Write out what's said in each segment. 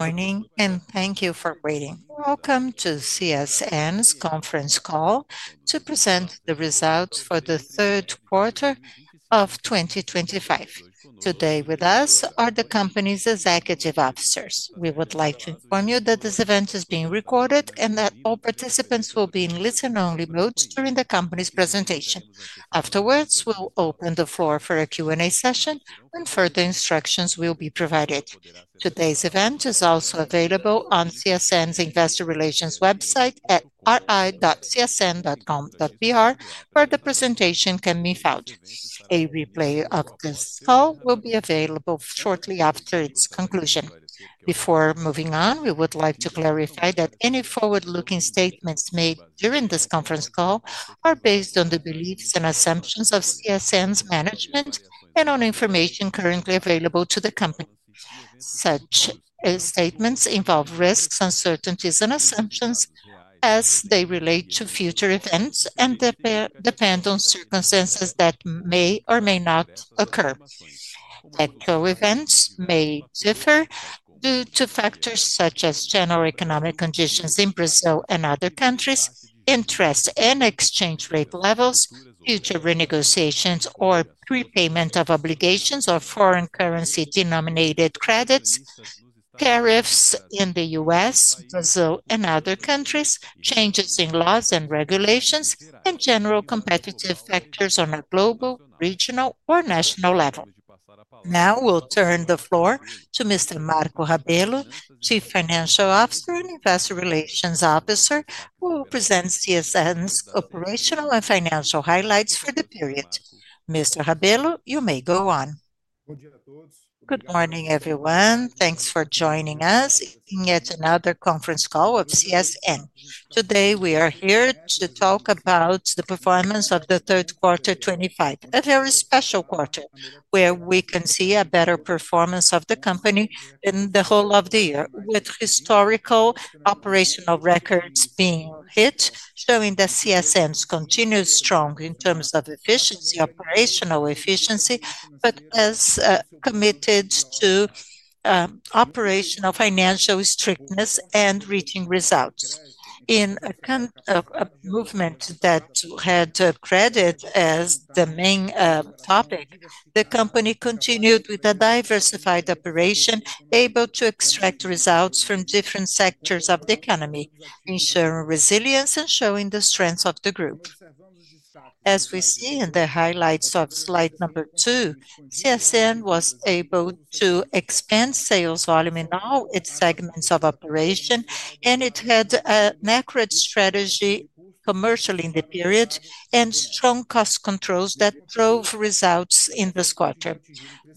Morning, and thank you for waiting. Welcome to CSN's conference call to present the results for the third quarter of 2025. Today with us are the company's executive officers. We would like to inform you that this event is being recorded and that all participants will be in listen-only mode during the company's presentation. Afterwards, we'll open the floor for a Q&A session, and further instructions will be provided. Today's event is also available on CSN's investor relations website at ri.csn.com.br, where the presentation can be found. A replay of this call will be available shortly after its conclusion. Before moving on, we would like to clarify that any forward-looking statements made during this conference call are based on the beliefs and assumptions of CSN's management and on information currently available to the company. Such statements involve risks, uncertainties, and assumptions as they relate to future events and depend on circumstances that may or may not occur. Actual events may differ due to factors such as general economic conditions in Brazil and other countries, interest and exchange rate levels, future renegotiations or prepayment of obligations or foreign currency-denominated credits, tariffs in the U.S., Brazil, and other countries, changes in laws and regulations, and general competitive factors on a global, regional, or national level. Now we'll turn the floor to Mr. Marco Rabello, Chief Financial Officer and Investor Relations Officer, who will present CSN's operational and financial highlights for the period. Mr. Rabello, you may go on. Good morning, everyone. Thanks for joining us in yet another conference call of CSN. Today we are here to talk about the performance of the third quarter 2025, a very special quarter where we can see a better performance of the company in the whole of the year, with historical operational records being hit, showing that CSN's continued strong in terms of efficiency, operational efficiency, but as committed to operational financial strictness and reaching results. In a movement that had credit as the main topic, the company continued with a diversified operation, able to extract results from different sectors of the economy, ensuring resilience and showing the strength of the group. As we see in the highlights of slide number two, CSN was able to expand sales volume in all its segments of operation, and it had an accurate strategy commercially in the period and strong cost controls that drove results in this quarter.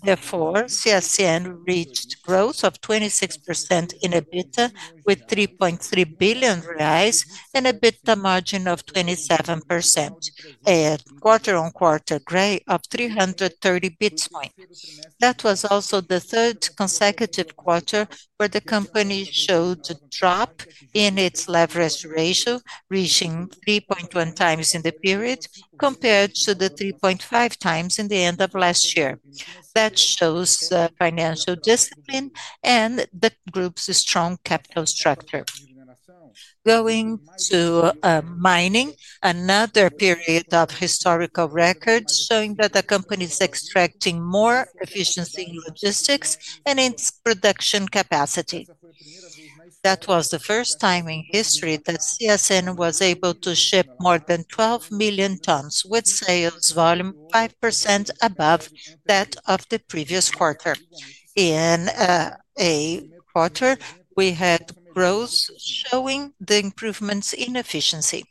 Therefore, CSN reached growth of 26% in EBITDA with 3.3 billion reais and an EBITDA margin of 27%. A quarter-on-quarter gain of 330 basis points. That was also the third consecutive quarter where the company showed a drop in its leverage ratio, reaching 3.1x in the period compared to the 3.5x at the end of last year. That shows financial discipline and the group's strong capital structure. Going to mining, another period of historical records showing that the company is extracting more efficiency in logistics and in its production capacity. That was the first time in history that CSN was able to ship more than 12 million tons with sales volume 5% above that of the previous quarter. In a quarter, we had growth showing the improvements in efficiency.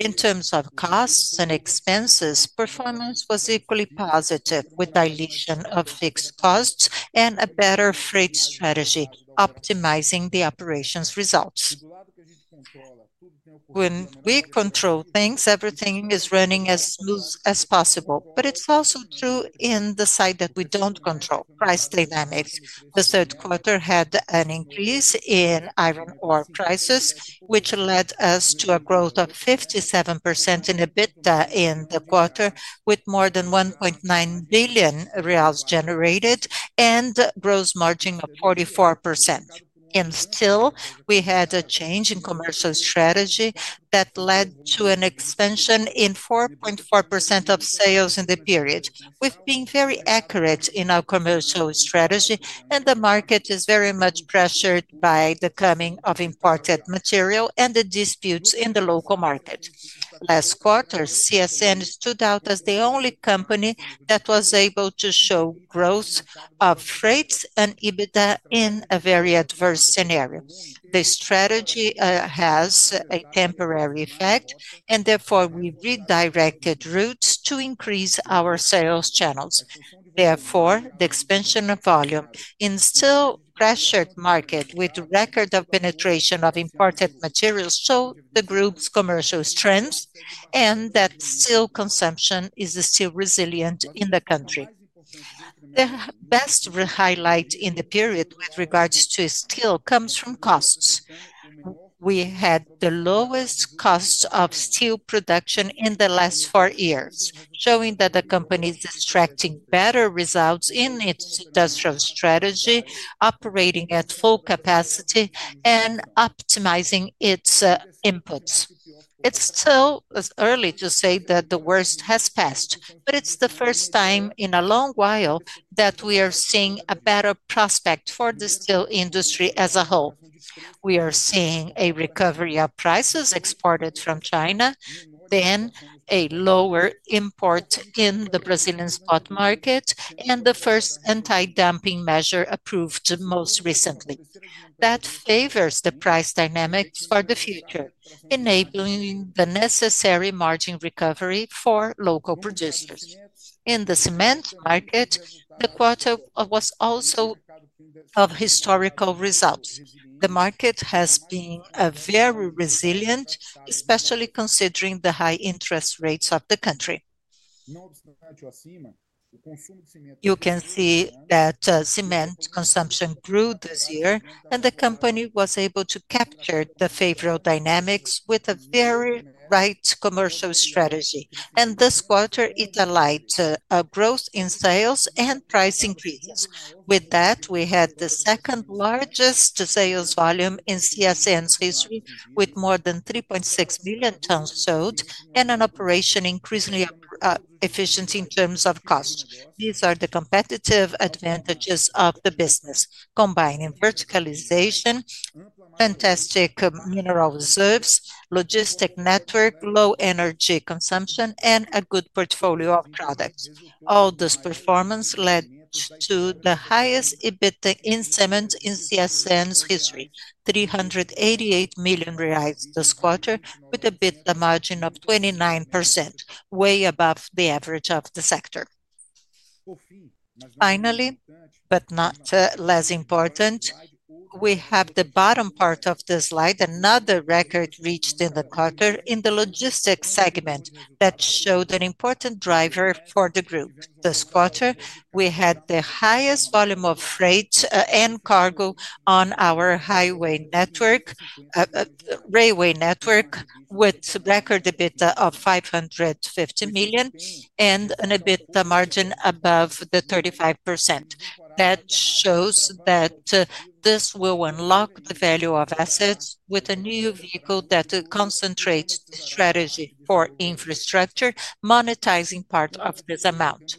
In terms of costs and expenses, performance was equally positive, with dilution of fixed costs and a better freight strategy, optimizing the operations results. When we control things, everything is running as smooth as possible, but it's also true in the side that we don't control, price dynamics. The third quarter had an increase in iron ore prices, which led us to a growth of 57% in EBITDA in the quarter, with more than 1.9 billion reais generated and gross margin of 44%. Still, we had a change in commercial strategy that led to an expansion in 4.4% of sales in the period. We've been very accurate in our commercial strategy, and the market is very much pressured by the coming of imported material and the disputes in the local market. Last quarter, CSN stood out as the only company that was able to show growth of freights and EBITDA in a very adverse scenario. The strategy has a temporary effect, and therefore we redirected routes to increase our sales channels. Therefore, the expansion of volume in still pressured market with record of penetration of imported materials showed the group's commercial strength and that steel consumption is still resilient in the country. The best highlight in the period with regards to steel comes from costs. We had the lowest cost of steel production in the last four years, showing that the company is extracting better results in its industrial strategy, operating at full capacity, and optimizing its inputs. It's still early to say that the worst has passed, but it's the first time in a long while that we are seeing a better prospect for the steel industry as a whole. We are seeing a recovery of prices exported from China, then a lower import in the Brazilian spot market, and the first anti-dumping measure approved most recently. That favors the price dynamics for the future, enabling the necessary margin recovery for local producers. In the cement market, the quarter was also of historical results. The market has been very resilient, especially considering the high interest rates of the country. You can see that cement consumption grew this year, and the company was able to capture the favorable dynamics with a very right commercial strategy. This quarter, it allied growth in sales and price increases. With that, we had the second largest sales volume in CSN's history, with more than 3.6 million tons sold and an operation increasingly efficient in terms of cost. These are the competitive advantages of the business, combining verticalization. Fantastic mineral reserves, logistic network, low energy consumption, and a good portfolio of products. All this performance led to the highest EBITDA in cement in CSN's history, 388 million reais this quarter, with an EBITDA margin of 29%, way above the average of the sector. Finally, but not less important, we have the bottom part of the slide, another record reached in the quarter in the logistics segment that showed an important driver for the group. This quarter, we had the highest volume of freight and cargo on our railway network, with record EBITDA of 550 million and an EBITDA margin above 35%. That shows that. This will unlock the value of assets with a new vehicle that concentrates the strategy for infrastructure, monetizing part of this amount.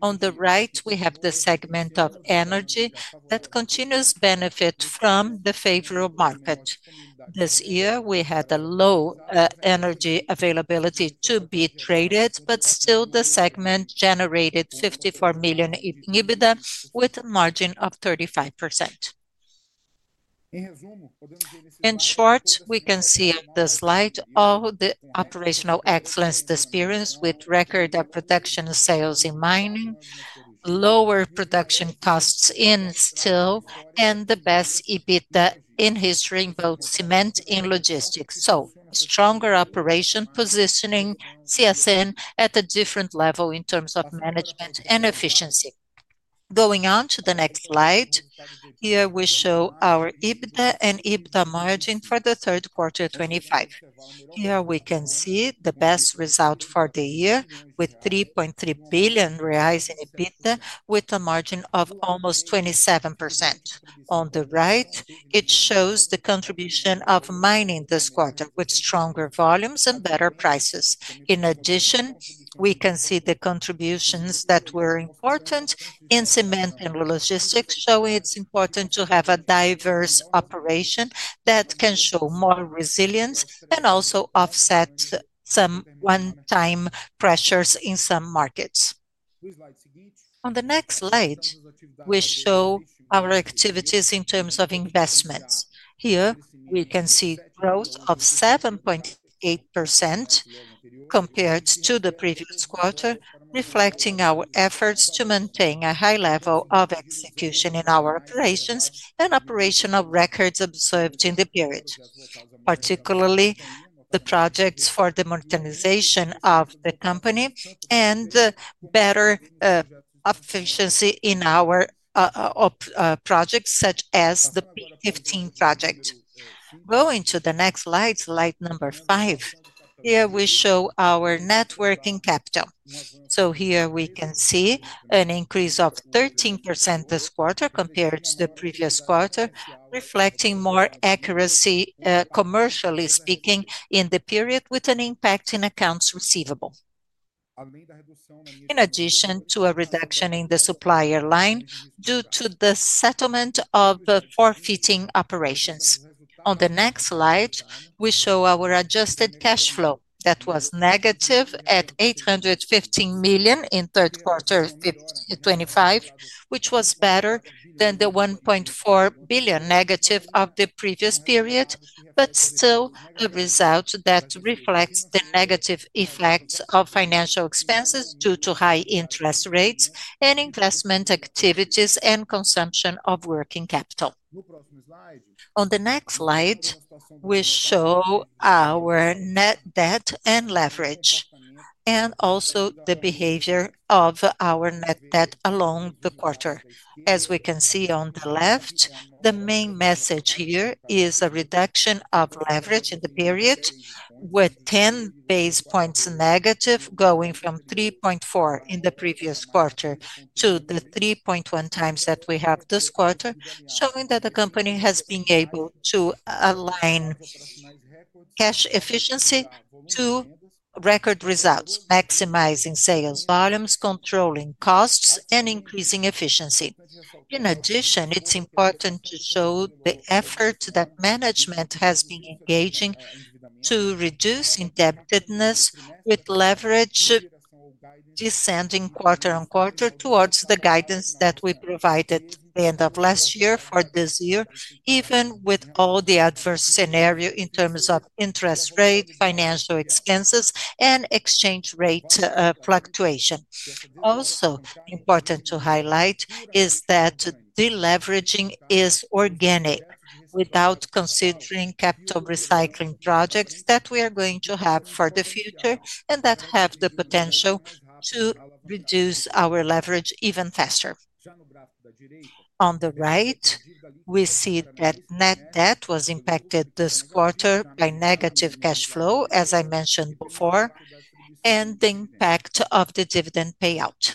On the right, we have the segment of energy that continues to benefit from the favorable market. This year, we had a low energy availability to be traded, but still the segment generated 54 million in EBITDA with a margin of 35%. In short, we can see on the slide all the operational excellence experienced with record production sales in mining. Lower production costs in steel, and the best EBITDA in history in both cement and logistics. Stronger operation positioning CSN at a different level in terms of management and efficiency. Going on to the next slide, here we show our EBITDA and EBITDA margin for the third quarter 2025. Here we can see the best result for the year with 3.3 billion reais in EBITDA, with a margin of almost 27%. On the right, it shows the contribution of mining this quarter with stronger volumes and better prices. In addition, we can see the contributions that were important in cement and logistics, showing it's important to have a diverse operation that can show more resilience and also offset some one-time pressures in some markets. On the next slide, we show our activities in terms of investments. Here we can see growth of 7.8%. Compared to the previous quarter, reflecting our efforts to maintain a high level of execution in our operations and operational records observed in the period. Particularly the projects for the modernization of the company and better efficiency in our projects such as the P15 Project. Going to the next slide, slide number five, here we show our working capital. Here we can see an increase of 13% this quarter compared to the previous quarter, reflecting more accuracy, commercially speaking, in the period with an impact in accounts receivable. In addition to a reduction in the supplier line due to the settlement of forfeiting operations. On the next slide, we show our adjusted cash flow that was negative at 815 million in third quarter 2025, which was better than the -1.4 billion of the previous period, but still a result that reflects the negative effects of financial expenses due to high interest rates and investment activities and consumption of working capital. On the next slide, we show our net debt and leverage and also the behavior of our net debt along the quarter. As we can see on the left, the main message here is a reduction of leverage in the period. With 10 basis points negative going from 3.4 in the previous quarter to the 3.1x that we have this quarter, showing that the company has been able to align cash efficiency to record results, maximizing sales, volumes, controlling costs, and increasing efficiency. In addition, it's important to show the effort that management has been engaging to reduce indebtedness with leverage, descending quarter on quarter towards the guidance that we provided at the end of last year for this year, even with all the adverse scenarios in terms of interest rate, financial expenses, and exchange rate fluctuation. Also important to highlight is that deleveraging is organic, without considering capital recycling projects that we are going to have for the future and that have the potential to reduce our leverage even faster. On the right. We see that net debt was impacted this quarter by negative cash flow, as I mentioned before, and the impact of the dividend payout.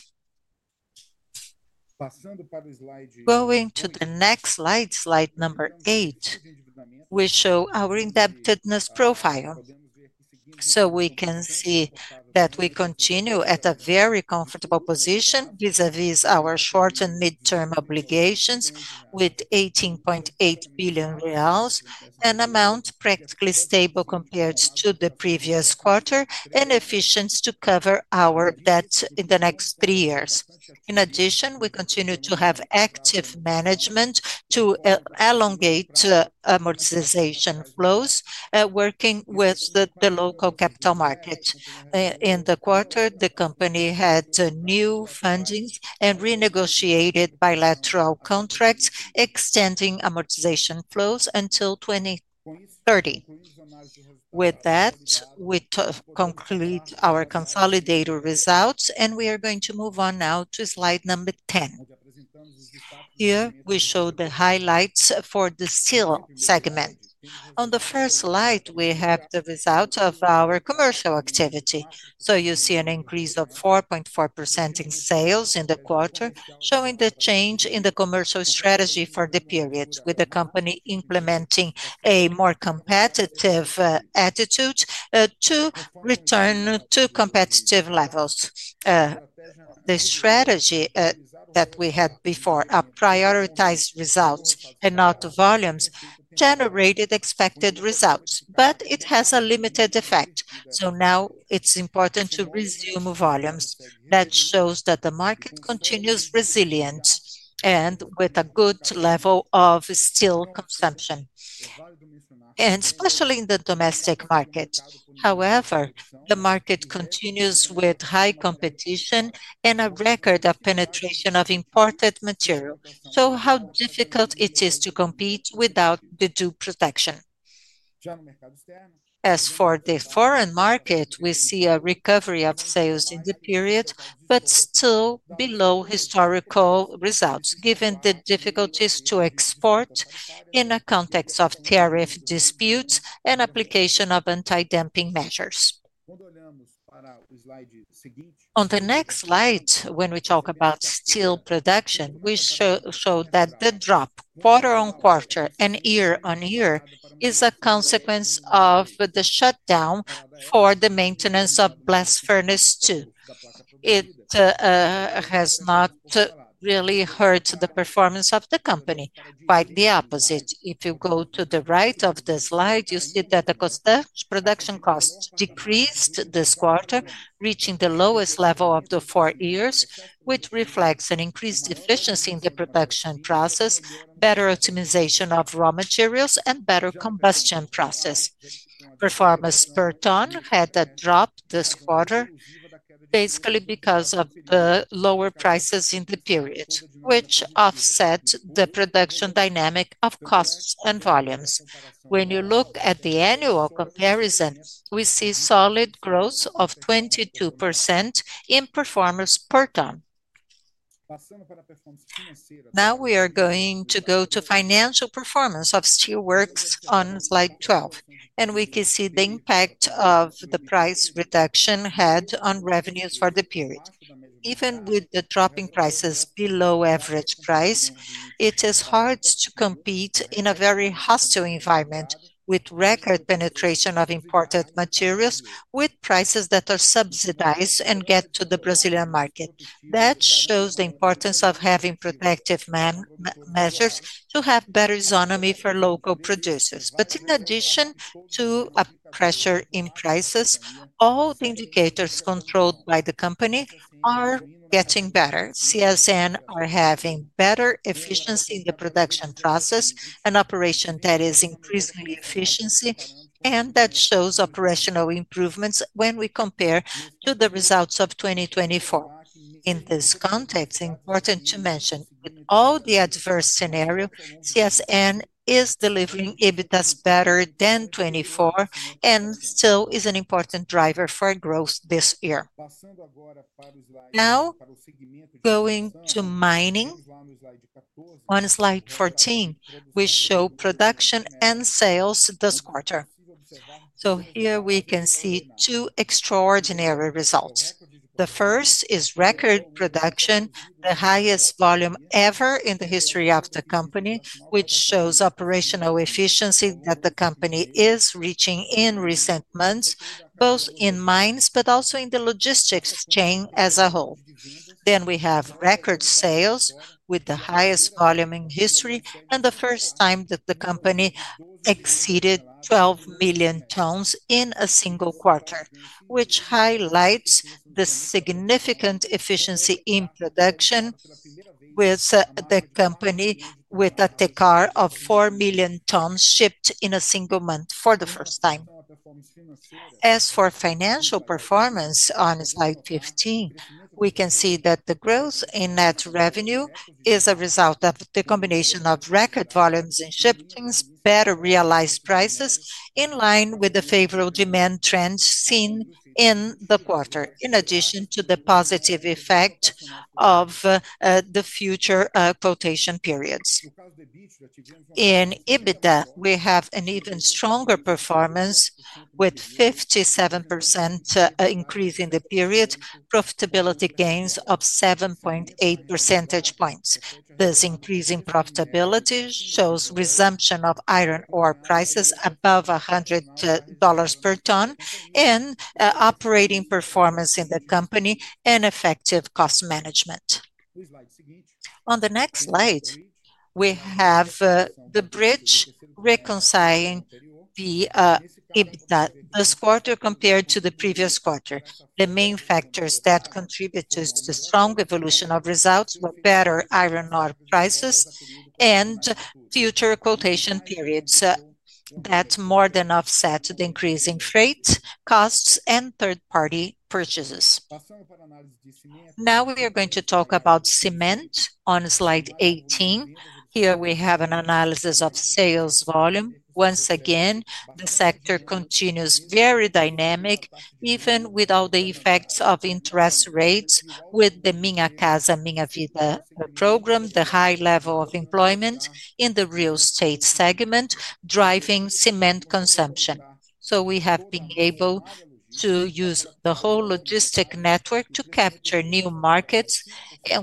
Going to the next slide, slide number eight. We show our indebtedness profile. We can see that we continue at a very comfortable position vis-à-vis our short and mid-term obligations with 18.8 billion reais, an amount practically stable compared to the previous quarter, and efficient to cover our debt in the next three years. In addition, we continue to have active management to elongate amortization flows, working with the local capital market. In the quarter, the company had new funding and renegotiated bilateral contracts, extending amortization flows until 2030. With that, we conclude our consolidated results, and we are going to move on now to slide number 10. Here we show the highlights for the steel segment. On the first slide, we have the result of our commercial activity. You see an increase of 4.4% in sales in the quarter, showing the change in the commercial strategy for the period, with the company implementing a more competitive attitude to return to competitive levels. The strategy that we had before, which prioritized results and not volumes, generated expected results, but it has a limited effect. Now it's important to resume volumes. That shows that the market continues resilient and with a good level of steel consumption, especially in the domestic market. However, the market continues with high competition and a record of penetration of imported material. It is difficult to compete without the due protection. As for the foreign market, we see a recovery of sales in the period, but still below historical results, given the difficulties to export in a context of tariff disputes and application of anti-dumping measures. On the next slide, when we talk about steel production, we show that the drop quarter on quarter and year on year is a consequence of the shutdown for the maintenance of Blast Furnace II. It has not really hurt the performance of the company. Quite the opposite. If you go to the right of the slide, you see that the production costs decreased this quarter, reaching the lowest level of the four years, which reflects an increased efficiency in the production process, better optimization of raw materials, and better combustion process. Performance per ton had a drop this quarter. Basically because of the lower prices in the period, which offset the production dynamic of costs and volumes. When you look at the annual comparison, we see solid growth of 22% in performance per ton. Now we are going to go to financial performance of Steelworks on slide 12, and we can see the impact the price reduction had on revenues for the period. Even with the dropping prices below average price, it is hard to compete in a very hostile environment with record penetration of imported materials with prices that are subsidized and get to the Brazilian market. That shows the importance of having protective measures to have better economy for local producers. In addition to a pressure in prices, all the indicators controlled by the company are getting better. CSN are having better efficiency in the production process, an operation that is increasingly efficient, and that shows operational improvements when we compare to the results of 2024. In this context, important to mention, with all the adverse scenarios, CSN is delivering EBITDAs better than 2024 and still is an important driver for growth this year. Now. Going to mining. On slide 14, we show production and sales this quarter. Here we can see two extraordinary results. The first is record production, the highest volume ever in the history of the company, which shows operational efficiency that the company is reaching in recent months, both in mines but also in the logistics chain as a whole. We have record sales with the highest volume in history and the first time that the company exceeded 12 million tons in a single quarter, which highlights the significant efficiency in production. With the company with a takeoff of 4 million tons shipped in a single month for the first time. As for financial performance on slide 15, we can see that the growth in net revenue is a result of the combination of record volumes and shipments, better realized prices in line with the favorable demand trends seen in the quarter, in addition to the positive effect of the future quotation periods. In EBITDA, we have an even stronger performance with 57% increase in the period, profitability gains of 7.8 percentage points. This increase in profitability shows resumption of iron ore prices above $100 per ton and operating performance in the company and effective cost management. On the next slide, we have the bridge reconciling the EBITDA this quarter compared to the previous quarter. The main factors that contributed to the strong evolution of results were better iron ore prices and future quotation periods that more than offset the increase in freight costs and third-party purchases. Now we are going to talk about cement on slide 18. Here we have an analysis of sales volume. Once again, the sector continues very dynamic, even without the effects of interest rates with the Minha Casa Minha Vida program, the high level of employment in the real estate segment driving cement consumption. We have been able to use the whole logistic network to capture new markets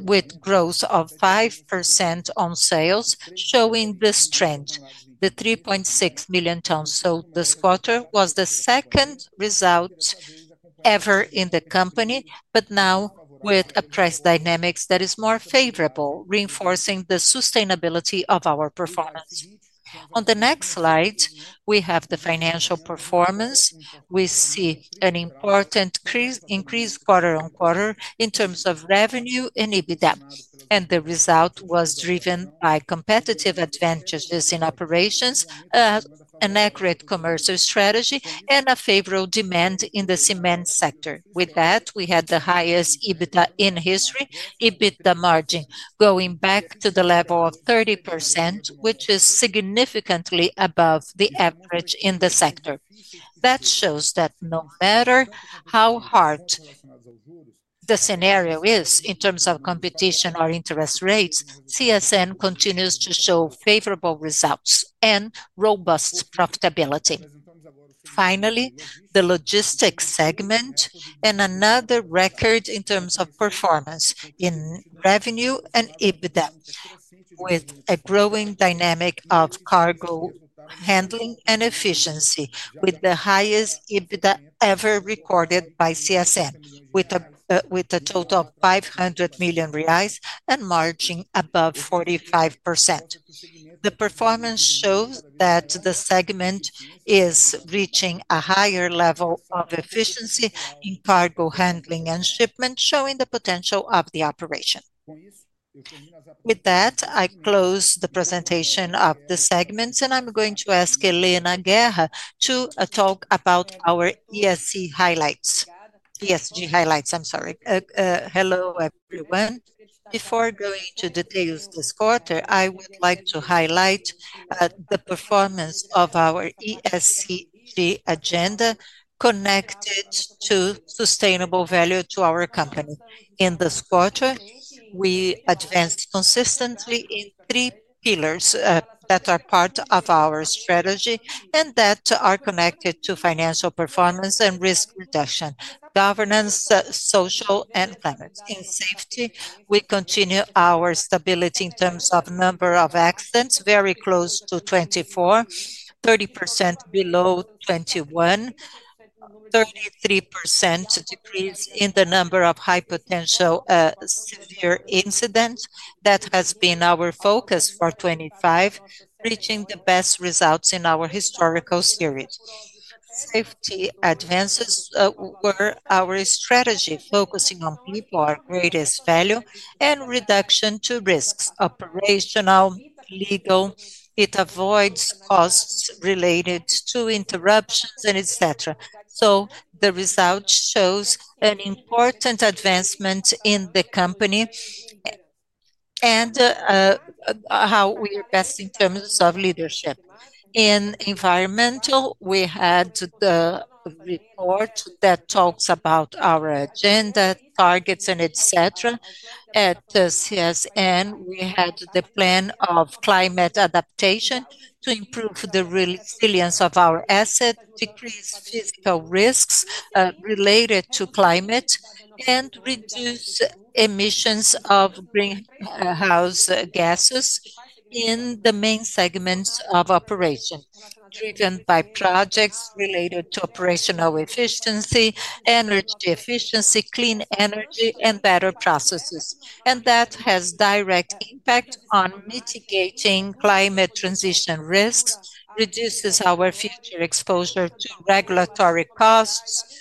with growth of 5% on sales, showing the strength. The 3.6 million tons sold this quarter was the second result ever in the company, but now with a price dynamic that is more favorable, reinforcing the sustainability of our performance. On the next slide, we have the financial performance. We see an important increase quarter on-quarter in terms of revenue and EBITDA, and the result was driven by competitive advantages in operations. An accurate commercial strategy, and a favorable demand in the cement sector. With that, we had the highest EBITDA in history, EBITDA margin going back to the level of 30%, which is significantly above the average in the sector. That shows that no matter how hard the scenario is in terms of competition or interest rates, CSN continues to show favorable results and robust profitability. Finally, the logistics segment and another record in terms of performance in revenue and EBITDA, with a growing dynamic of cargo handling and efficiency, with the highest EBITDA ever recorded by CSN, with a total of 500 million reais and margin above 45%. The performance shows that the segment is reaching a higher level of efficiency in cargo handling and shipment, showing the potential of the operation. With that, I close the presentation of the segments, and I'm going to ask Helena Guerra to talk about our ESG highlights. ESG highlights, I'm sorry. Hello everyone. Before going into details this quarter, I would like to highlight the performance of our ESG agenda connected to sustainable value to our company. In this quarter, we advanced consistently in three pillars that are part of our strategy and that are connected to financial performance and risk reduction, governance, social, and climate. In safety, we continue our stability in terms of number of accidents, very close to 24, 30% below 2021. 33% decrease in the number of high potential severe incidents. That has been our focus for 2025, reaching the best results in our historical series. Safety advances were our strategy, focusing on people, our greatest value, and reduction to risks, operational, legal. It avoids costs related to interruptions, etc. The result shows an important advancement in the company. How we are best in terms of leadership. In environmental, we had the report that talks about our agenda, targets, etc. At CSN, we had the plan of climate adaptation to improve the resilience of our assets, decrease physical risks related to climate, and reduce emissions of greenhouse gases in the main segments of operation, driven by projects related to operational efficiency, energy efficiency, clean energy, and better processes. That has a direct impact on mitigating climate transition risks, reduces our future exposure to regulatory costs,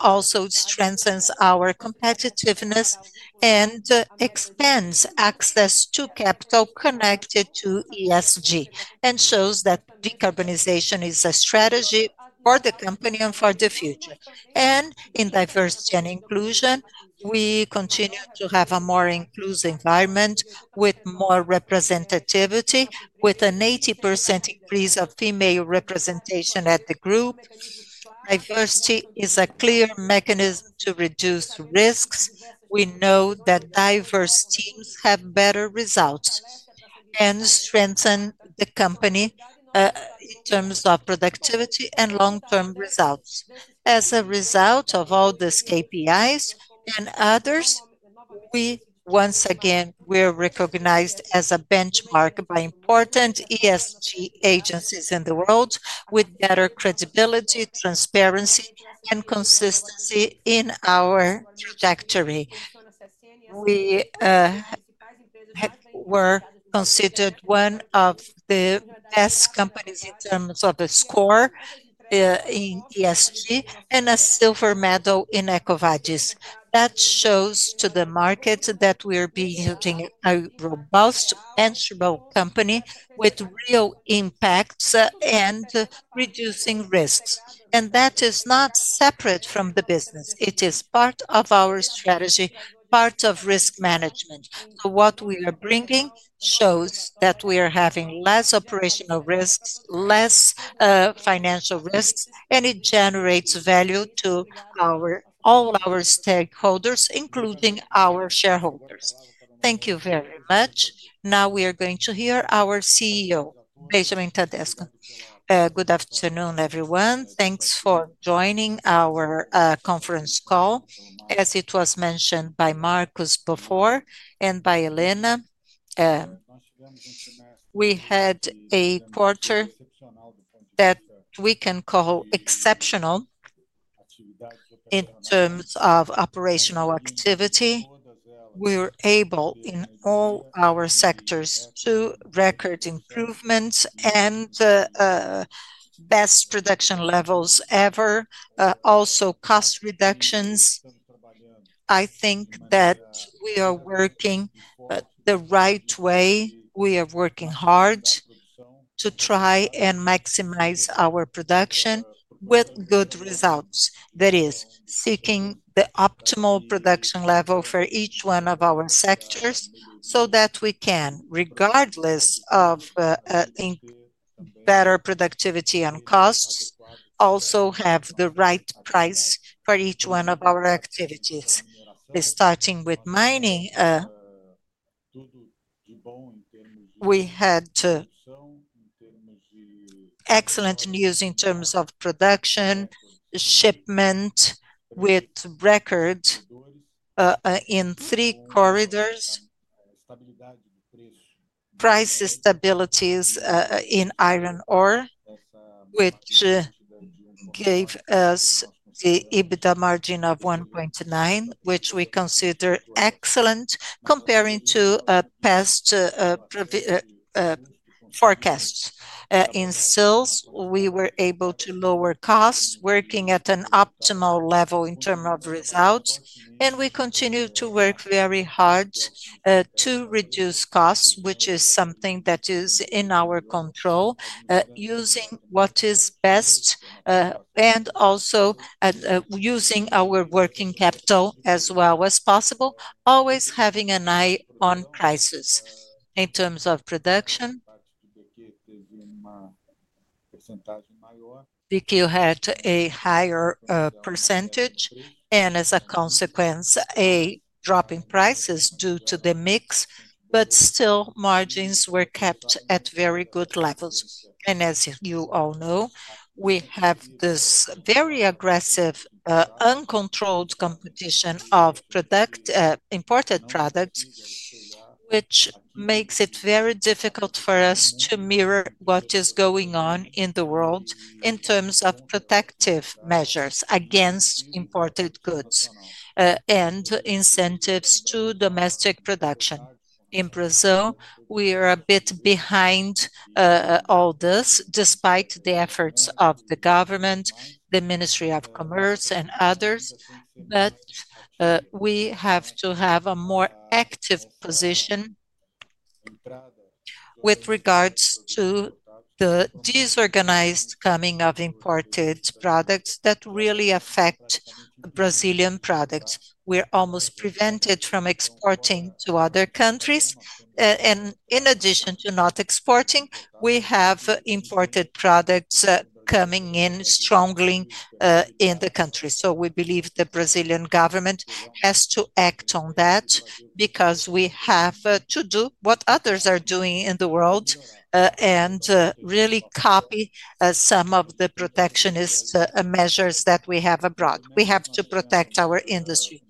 also strengthens our competitiveness, and expands access to capital connected to ESG, and shows that decarbonization is a strategy for the company and for the future. In diversity and inclusion, we continue to have a more inclusive environment with more representativity, with an 80% increase of female representation at the group. Diversity is a clear mechanism to reduce risks. We know that diverse teams have better results and strengthen the company in terms of productivity and long-term results. As a result of all these KPIs and others, we once again were recognized as a benchmark by important ESG agencies in the world with better credibility, transparency, and consistency in our trajectory. We were considered one of the best companies in terms of a score in ESG and a silver medal in EcoVadis. That shows to the market that we are being a robust, tangible company with real impacts and reducing risks. That is not separate from the business. It is part of our strategy, part of risk management. What we are bringing shows that we are having less operational risks, less financial risks, and it generates value to all our stakeholders, including our shareholders. Thank you very much. Now we are going to hear our CEO, Benjamin Tedesco. Good afternoon, everyone. Thanks for joining our conference call. As it was mentioned by Marco before and by Helena, we had a quarter that we can call exceptional in terms of operational activity. We were able in all our sectors to record improvements and best production levels ever. Also cost reductions. I think that we are working the right way. We are working hard to try and maximize our production with good results. That is, seeking the optimal production level for each one of our sectors so that we can, regardless of better productivity and costs, also have the right price for each one of our activities. Starting with mining. We had excellent news in terms of production, shipment, with record in three corridors. Price stabilities in iron ore, which gave us the EBITDA margin of 1.9, which we consider excellent comparing to past forecasts. In sales, we were able to lower costs, working at an optimal level in terms of results, and we continue to work very hard to reduce costs, which is something that is in our control, using what is best. Also, using our working capital as well as possible, always having an eye on prices. In terms of production, we had a higher percentage and, as a consequence, a drop in prices due to the mix, but still margins were kept at very good levels. As you all know, we have this very aggressive, uncontrolled competition of imported products. Which makes it very difficult for us to mirror what is going on in the world in terms of protective measures against imported goods and incentives to domestic production. In Brazil, we are a bit behind. All this, despite the efforts of the government, the Ministry of Commerce, and others, but we have to have a more active position. With regards to the disorganized coming of imported products that really affect Brazilian products, we're almost prevented from exporting to other countries. In addition to not exporting, we have imported products coming in strongly in the country. We believe the Brazilian government has to act on that because we have to do what others are doing in the world and really copy some of the protectionist measures that we have abroad. We have to protect our industry.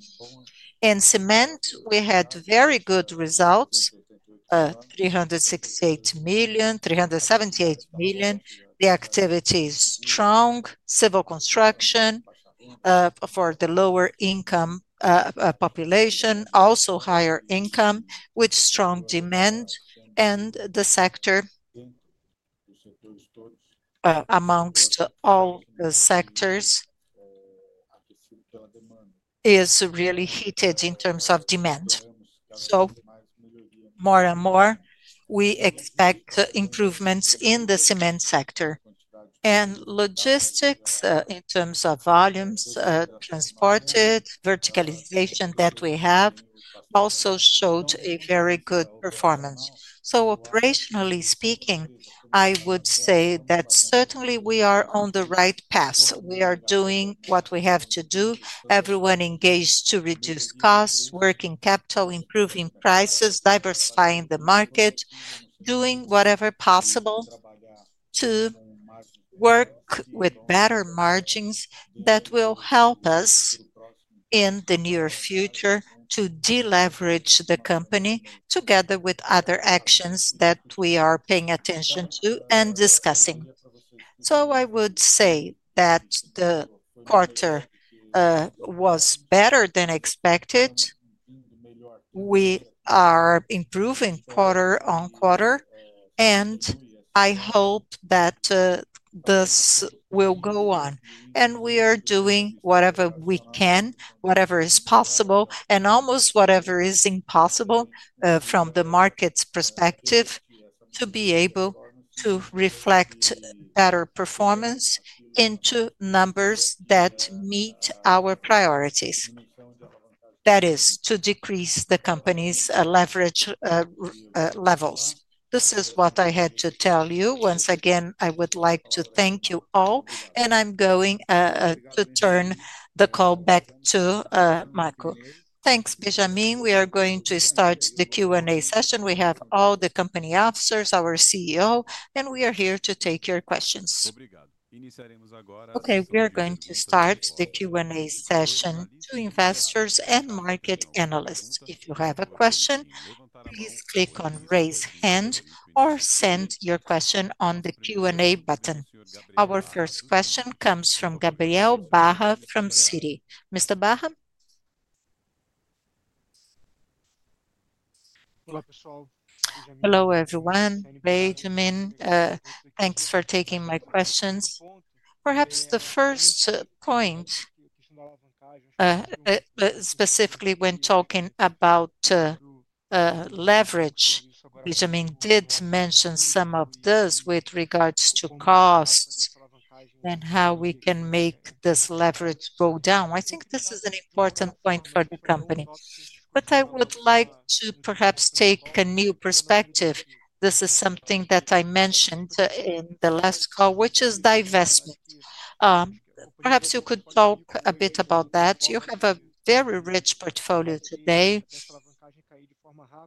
In cement, we had very good results. 368 million, 378 million. The activity is strong. Civil construction. For the lower-income population, also higher income with strong demand, and the sector. Amongst all sectors, is really heated in terms of demand. More and more, we expect improvements in the cement sector and logistics in terms of volumes transported. Verticalization that we have also showed a very good performance. Operationally speaking, I would say that certainly we are on the right path. We are doing what we have to do. Everyone engaged to reduce costs, working capital, improving prices, diversifying the market. Doing whatever possible to work with better margins that will help us in the near future to deleverage the company together with other actions that we are paying attention to and discussing. I would say that the quarter was better than expected. We are improving quarter-on-quarter, and I hope that this will go on. We are doing whatever we can, whatever is possible, and almost whatever is impossible from the market's perspective to be able to reflect better performance into numbers that meet our priorities. That is, to decrease the company's leverage levels. This is what I had to tell you. Once again, I would like to thank you all, and I am going to turn the call back to Marco. Thanks, Benjamin. We are going to start the Q&A session. We have all the company officers, our CEO, and we are here to take your questions. Okay, we are going to start the Q&A session to investors and market analysts. If you have a question, please click on raise hand or send your question on the Q&A button. Our first question comes from Gabriel Barra from Citi. Mr. Barra? Hello everyone. Benjamin, thanks for taking my questions. Perhaps the first point. Specifically when talking about leverage, Benjamin did mention some of this with regards to costs and how we can make this leverage go down. I think this is an important point for the company. I would like to perhaps take a new perspective. This is something that I mentioned in the last call, which is divestment. Perhaps you could talk a bit about that. You have a very rich portfolio today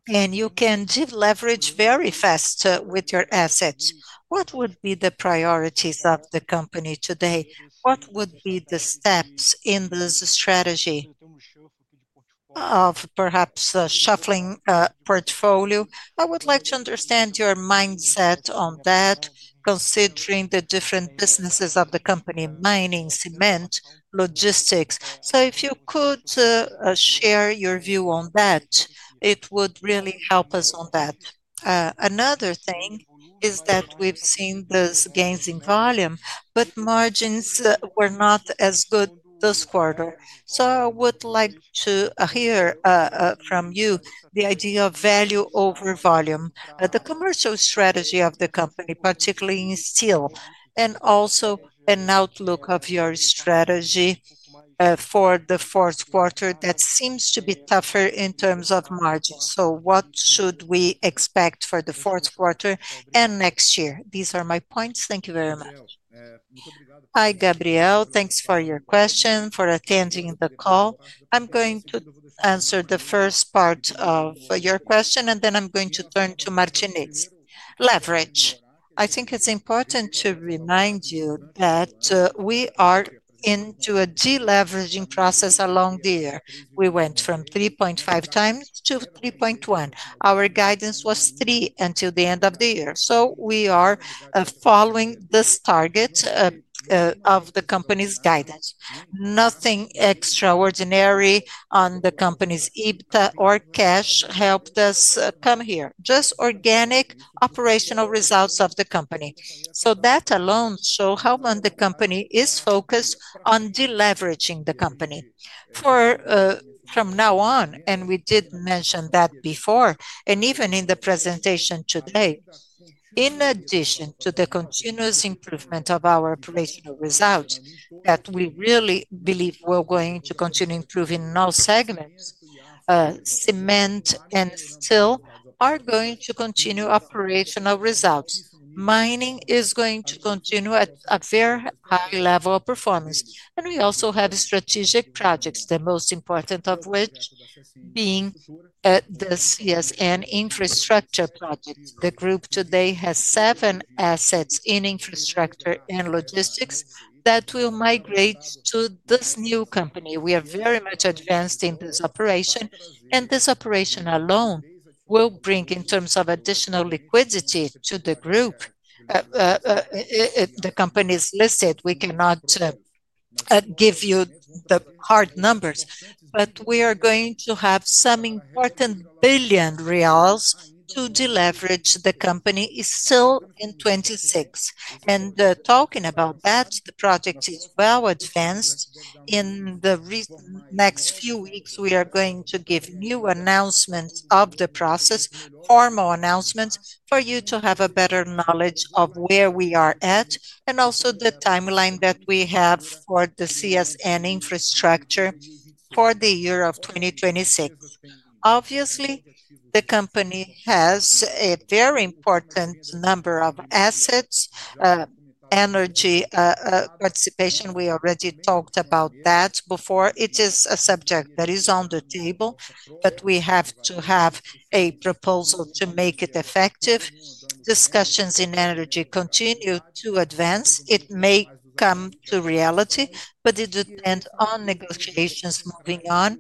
and you can deleverage very fast with your assets. What would be the priorities of the company today? What would be the steps in this strategy of perhaps shuffling portfolio? I would like to understand your mindset on that. Considering the different businesses of the company, mining, cement, logistics. If you could share your view on that, it would really help us on that. Another thing is that we've seen those gains in volume, but margins were not as good this quarter. I would like to hear from you the idea of value over volume. The commercial strategy of the company, particularly in steel, and also an outlook of your strategy. For the fourth quarter that seems to be tougher in terms of margins. What should we expect for the fourth quarter and next year? These are my points. Thank you very much. Hi, Gabriel. Thanks for your question, for attending the call. I'm going to answer the first part of your question, and then I'm going to turn to Martinez. Leverage. I think it's important to remind you that we are into a deleveraging process along the year. We went from 3.5x-3.1x. Our guidance was 3 until the end of the year. We are following this target. Of the company's guidance. Nothing extraordinary on the company's EBITDA or cash helped us come here. Just organic operational results of the company. That alone shows how much the company is focused on deleveraging the company. From now on, and we did mention that before, and even in the presentation today. In addition to the continuous improvement of our operational results that we really believe we're going to continue improving in all segments. Cement and steel are going to continue operational results. Mining is going to continue at a very high level of performance. We also have strategic projects, the most important of which being the CSN Infrastructure Project. The group today has seven assets in infrastructure and logistics that will migrate to this new company. We are very much advanced in this operation, and this operation alone will bring in terms of additional liquidity to the group. The company is listed. We cannot give you the hard numbers, but we are going to have some important billions reais to deleverage the company still in 2026. Talking about that, the project is well advanced. In the next few weeks, we are going to give new announcements of the process. Formal announcements for you to have a better knowledge of where we are at, and also the timeline that we have for the CSN Infrastructure for the year of 2026. Obviously, the company has a very important number of assets. Energy participation. We already talked about that before. It is a subject that is on the table, but we have to have a proposal to make it effective. Discussions in energy continue to advance. It may come to reality, but it depends on negotiations moving on.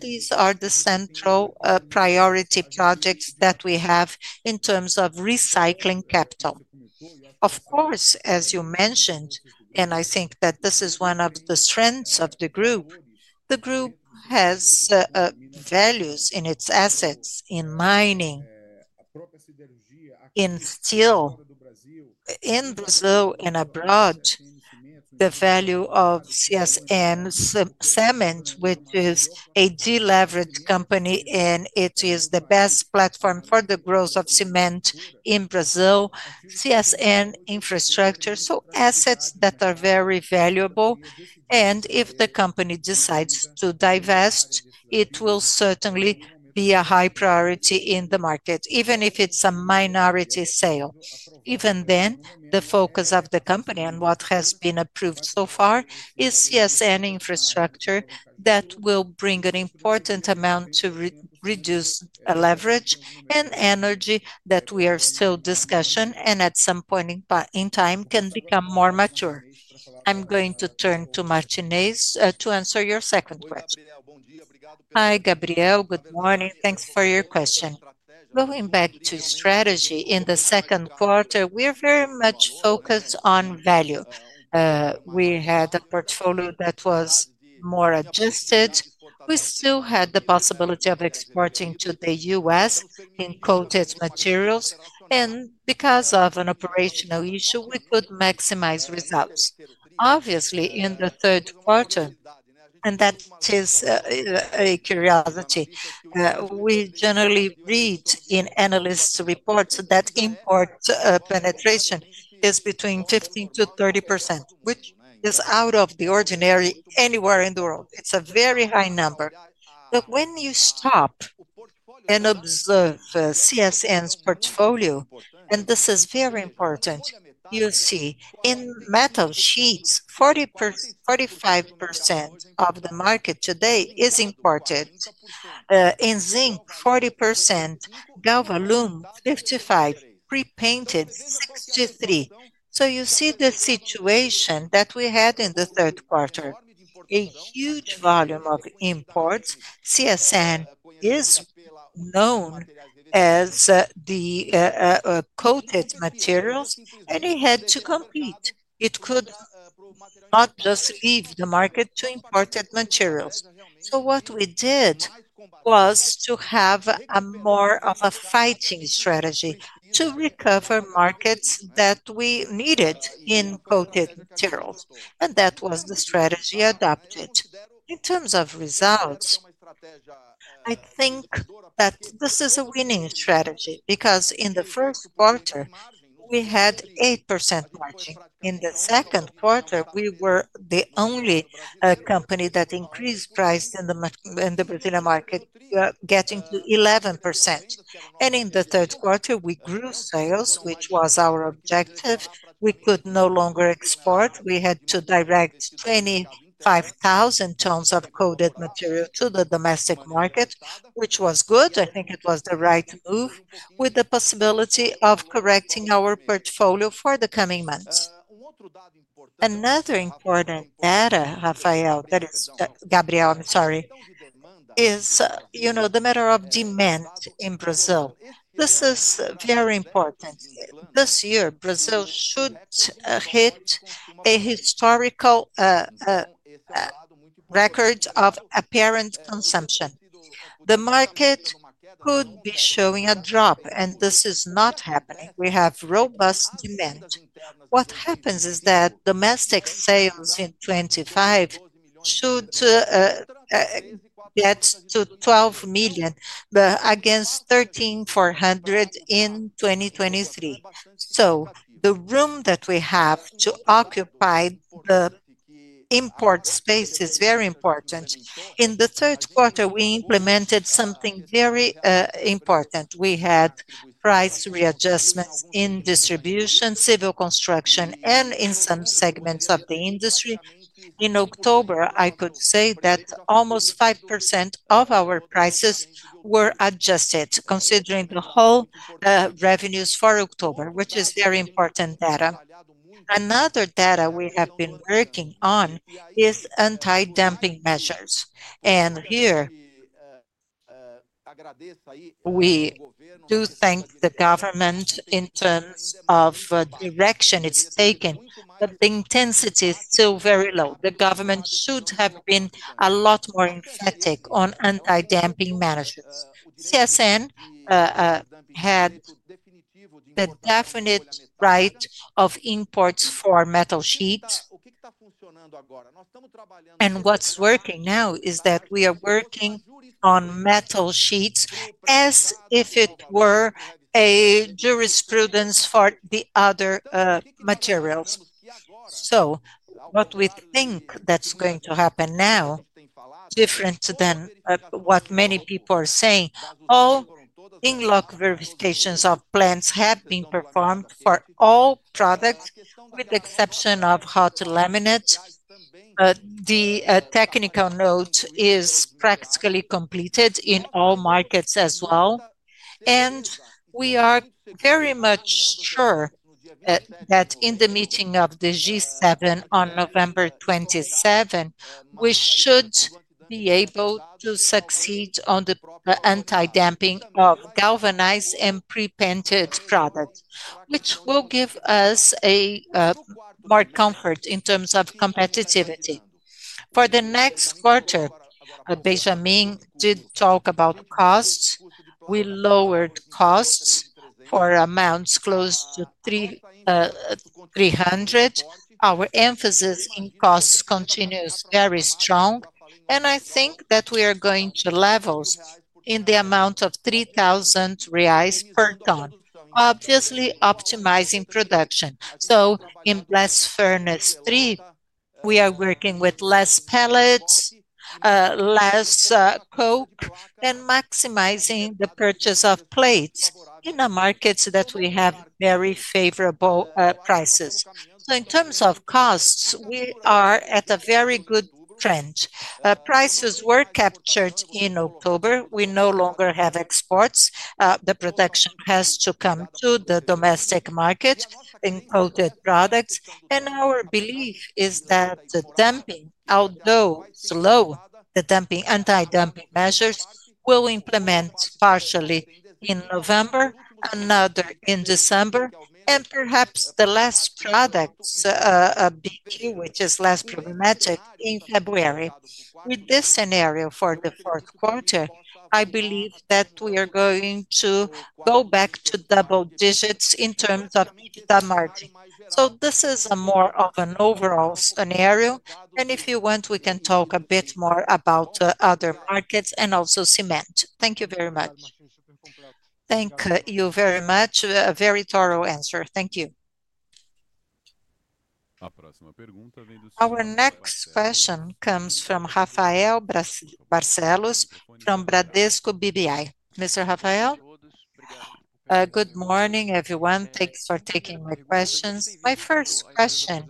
These are the central priority projects that we have in terms of recycling capital. Of course, as you mentioned, and I think that this is one of the strengths of the group, the group has values in its assets in mining, in steel, in Brazil, and abroad. The value of CSN, cement, which is a deleveraged company, and it is the best platform for the growth of cement in Brazil, CSN Infrastructure. Assets that are very valuable. If the company decides to divest, it will certainly be a high priority in the market, even if it is a minority sale. Even then, the focus of the company and what has been approved so far is CSN Infrastructure that will bring an important amount to reduce leverage and energy that we are still discussing and at some point in time can become more mature. I'm going to turn to Martinez to answer your second question. Hi, Gabriel. Good morning. Thanks for your question. Going back to strategy, in the second quarter, we are very much focused on value. We had a portfolio that was more adjusted. We still had the possibility of exporting to the U.S. in coated materials, and because of an operational issue, we could maximize results. Obviously, in the third quarter, and that is a curiosity. We generally read in analysts' reports that import penetration is between 15%-30%, which is out of the ordinary anywhere in the world. It's a very high number. When you stop and observe CSN's portfolio, and this is very important, you'll see in metal sheets, 40%-45% of the market today is imported. In zinc, 40%. Galvalume, 55%, pre-painted, 63%. You see the situation that we had in the third quarter. A huge volume of imports. CSN is known as the coated materials, and it had to compete. It could not just leave the market to imported materials. What we did was to have more of a fighting strategy to recover markets that we needed in coated materials. That was the strategy adopted. In terms of results, I think that this is a winning strategy because in the first quarter, we had 8% margin. In the second quarter, we were the only company that increased price in the Brazilian market, getting to 11%. In the third quarter, we grew sales, which was our objective. We could no longer export. We had to direct 25,000 tons of coated material to the domestic market, which was good. I think it was the right move with the possibility of correcting our portfolio for the coming months. Another important data, Rafael, that is, Gabriel, I'm sorry. Is the matter of demand in Brazil. This is very important. This year, Brazil should hit a historical record of apparent consumption. The market could be showing a drop, and this is not happening. We have robust demand. What happens is that domestic sales in 2025 should get to 12 million, but against 13.4 million in 2023. So the room that we have to occupy the import space is very important. In the third quarter, we implemented something very important. We had price readjustments in distribution, civil construction, and in some segments of the industry. In October, I could say that almost 5% of our prices were adjusted, considering the whole revenues for October, which is very important data. Another data we have been working on is anti-dumping measures. Here, we do thank the government. In terms of the direction it's taken, but the intensity is still very low. The government should have been a lot more emphatic on anti-dumping measures. CSN had the definite right of imports for metal sheets. What's working now is that we are working on metal sheets as if it were a jurisprudence for the other materials. What we think that's going to happen now, different than what many people are saying, all in-lock verifications of plants have been performed for all products, with the exception of hot laminate. The technical note is practically completed in all markets as well. We are very much sure that in the meeting of the G7 on November 27, we should be able to succeed on the anti-dumping of galvanized and pre-painted products, which will give us more comfort in terms of competitivity. For the next quarter, Benjamin did talk about costs. We lowered costs for amounts close to 300. Our emphasis in costs continues very strong. I think that we are going to levels in the amount of 3,000 reais per ton, obviously optimizing production. In Blast Furnace 3, we are working with less pellets, less coke, and maximizing the purchase of plates in a market that we have very favorable prices. In terms of costs, we are at a very good trend. Prices were captured in October. We no longer have exports. The production has to come to the domestic market, included products. Our belief is that the dumping, although slow, the anti-dumping measures will implement partially in November, another in December, and perhaps the last products, BQ, which is less problematic, in February. With this scenario for the fourth quarter, I believe that we are going to go back to double digits in terms of EBITDA margin. This is more of an overall scenario. If you want, we can talk a bit more about other markets and also cement. Thank you very much. Thank you very much. A very thorough answer. Thank you. Our next question comes from Rafael Barcellos from Bradesco BBI. Mr. Rafael. Good morning, everyone. Thanks for taking my questions. My first question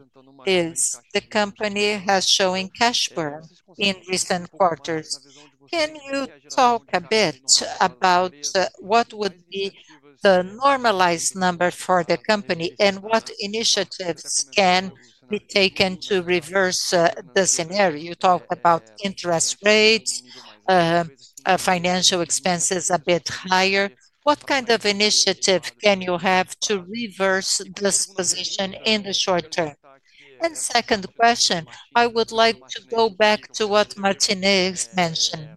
is the company has shown cash burn in recent quarters. Can you talk a bit about what would be the normalized number for the company and what initiatives can be taken to reverse the scenario? You talked about interest rates. Financial expenses a bit higher. What kind of initiative can you have to reverse this position in the short term? Second question, I would like to go back to what Martinez mentioned.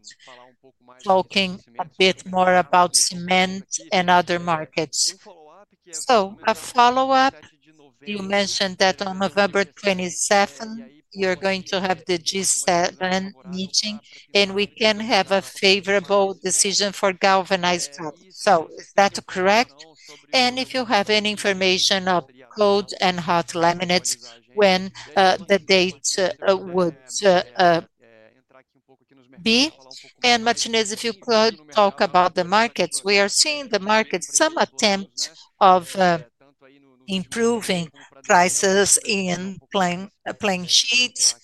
Talking a bit more about cement and other markets. A follow-up, you mentioned that on November 27, you are going to have the G7 meeting, and we can have a favorable decision for galvanized products. Is that correct? If you have any information on cold and hot laminates, when the date would be? Martinez, if you could talk about the markets. We are seeing the markets, some attempt of improving prices in planned sheets.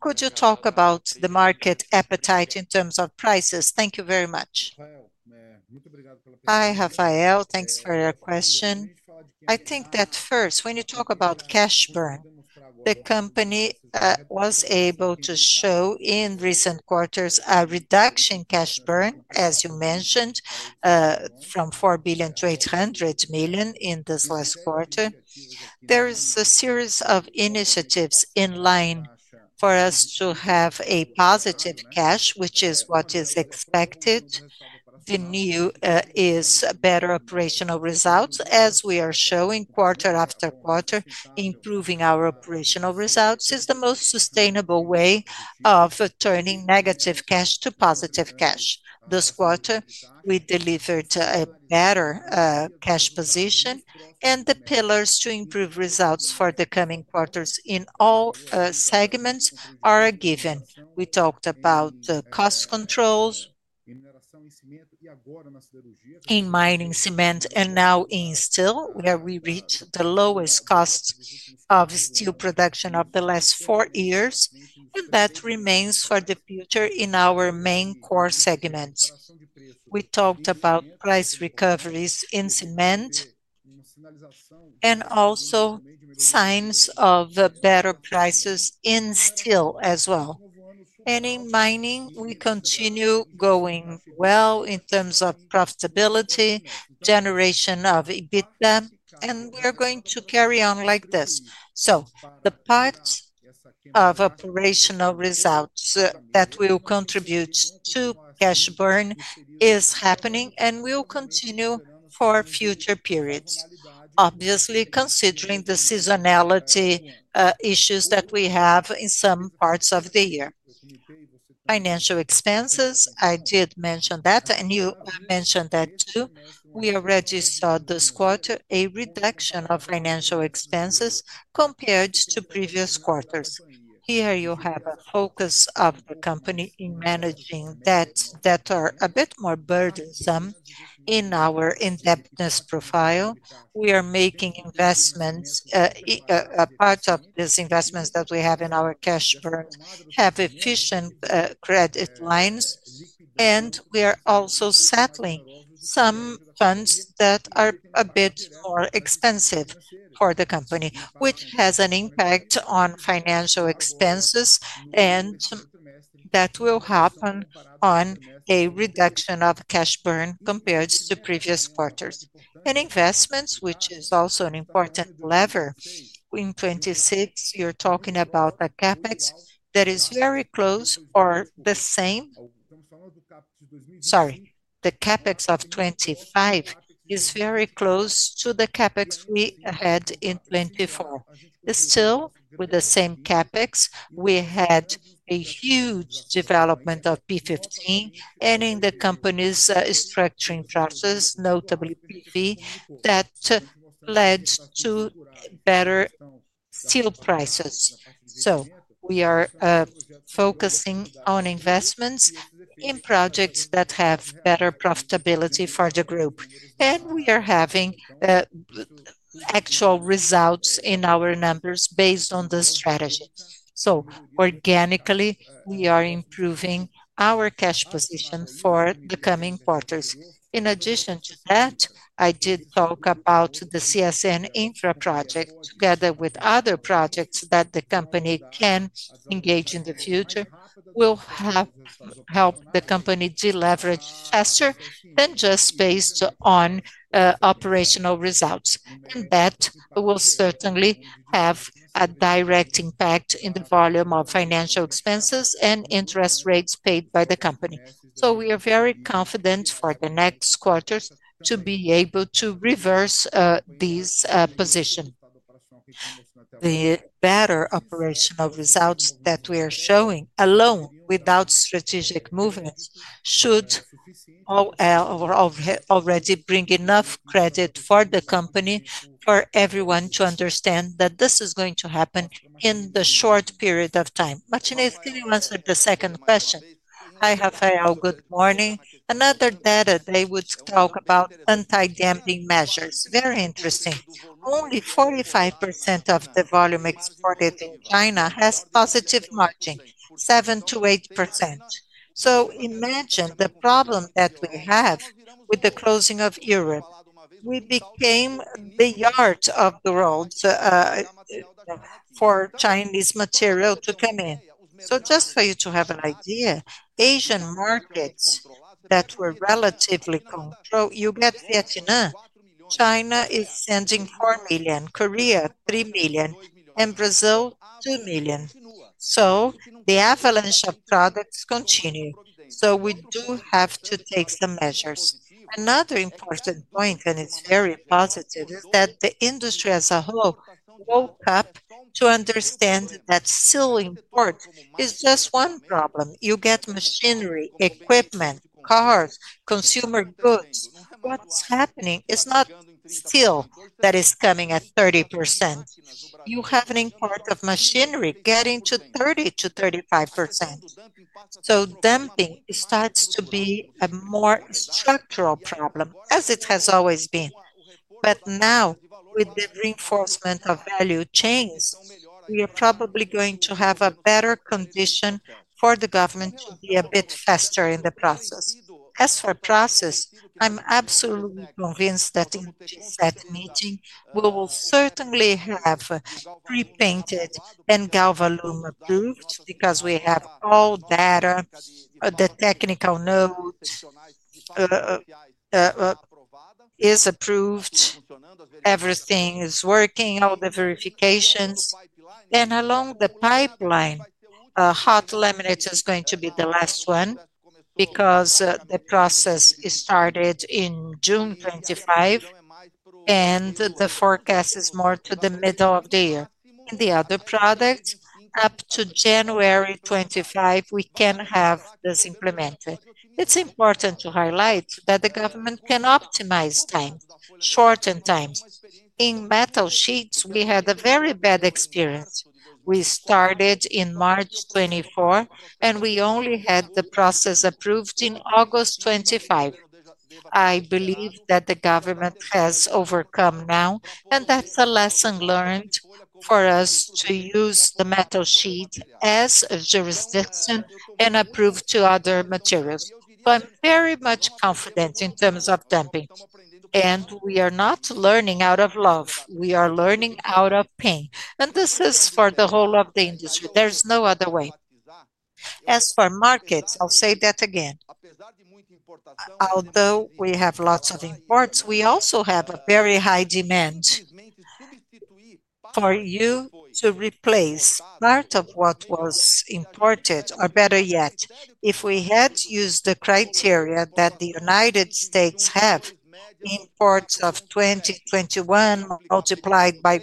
Could you talk about the market appetite in terms of prices? Thank you very much. Hi, Rafael. Thanks for your question. I think that first, when you talk about cash burn, the company was able to show in recent quarters a reduction in cash burn, as you mentioned, from 4 billion-800 million in this last quarter. There is a series of initiatives in line for us to have a positive cash, which is what is expected. The new is better operational results, as we are showing quarter after quarter, improving our operational results is the most sustainable way of turning negative cash to positive cash. This quarter, we delivered a better cash position, and the pillars to improve results for the coming quarters in all segments are a given. We talked about cost controls. In mining, cement, and now in steel, where we reached the lowest costs of steel production of the last four years, and that remains for the future in our main core segments. We talked about price recoveries in cement. Also, signs of better prices in steel as well. In mining, we continue going well in terms of profitability, generation of EBITDA, and we're going to carry on like this. The part of operational results that will contribute to cash burn is happening, and will continue for future periods, obviously considering the seasonality issues that we have in some parts of the year. Financial expenses, I did mention that, and you mentioned that too. We already saw this quarter a reduction of financial expenses compared to previous quarters. Here you have a focus of the company in managing debts that are a bit more burdensome in our indebtedness profile. We are making investments. A part of these investments that we have in our cash burn have efficient credit lines, and we are also settling some funds that are a bit more expensive for the company, which has an impact on financial expenses, and that will happen on a reduction of cash burn compared to previous quarters. And investments, which is also an important lever. In 2026, you're talking about the CapEx that is very close or the same. Sorry, the CapEx of 2025 is very close to the CapEx we had in 2024. Still, with the same CapEx, we had a huge development of P15, and in the company's structuring process, notably PV, that led to better steel prices. We are focusing on investments in projects that have better profitability for the group. We are having actual results in our numbers based on the strategy. Organically, we are improving our cash position for the coming quarters. In addition to that, I did talk about the CSN Infrastructure project together with other projects that the company can engage in the future. These will help the company deleverage faster than just based on operational results. That will certainly have a direct impact in the volume of financial expenses and interest rates paid by the company. We are very confident for the next quarter to be able to reverse this position. The better operational results that we are showing alone, without strategic movements, should already bring enough credit for the company, for everyone to understand that this is going to happen in a short period of time. Martinez, can you answer the second question? Hi, Rafael. Good morning. Another data they would talk about anti-dumping measures. Very interesting. Only 45% of the volume exported in China has positive margin, 7-8%. Imagine the problem that we have with the closing of Europe. We became the yard of the world for Chinese material to come in. Just for you to have an idea, Asian markets that were relatively controlled, you get Vietnam. China is sending 4 million, Korea 3 million, and Brazil 2 million. The avalanche of products continues. We do have to take some measures. Another important point, and it's very positive, is that the industry as a whole woke up to understand that steel import is just one problem. You get machinery, equipment, cars, consumer goods. What's happening is not steel that is coming at 30%. You have an import of machinery getting to 30%-35%. Dumping starts to be a more structural problem, as it has always been. Now, with the reinforcement of value chains, we are probably going to have a better condition for the government to be a bit faster in the process. As for process, I'm absolutely convinced that in the G7 meeting, we will certainly have pre-painted and Galvalume approved because we have all data. The technical note is approved. Everything is working, all the verifications. Along the pipeline, hot laminates is going to be the last one because the process is started in June 2025, and the forecast is more to the middle of the year. In the other products, up to January 2025, we can have this implemented. It is important to highlight that the government can optimize time, shorten times. In metal sheets, we had a very bad experience. We started in March 2024, and we only had the process approved in August 2025. I believe that the government has overcome now, and that is a lesson learned for us to use the metal sheet as a jurisdiction and approve to other materials. I am very much confident in terms of dumping. We are not learning out of love. We are learning out of pain, and this is for the whole of the industry. There's no other way. As for markets, I'll say that again. Although we have lots of imports, we also have a very high demand. For you to replace part of what was imported, or better yet, if we had used the criteria that the United States have. Imports of 2021 multiplied by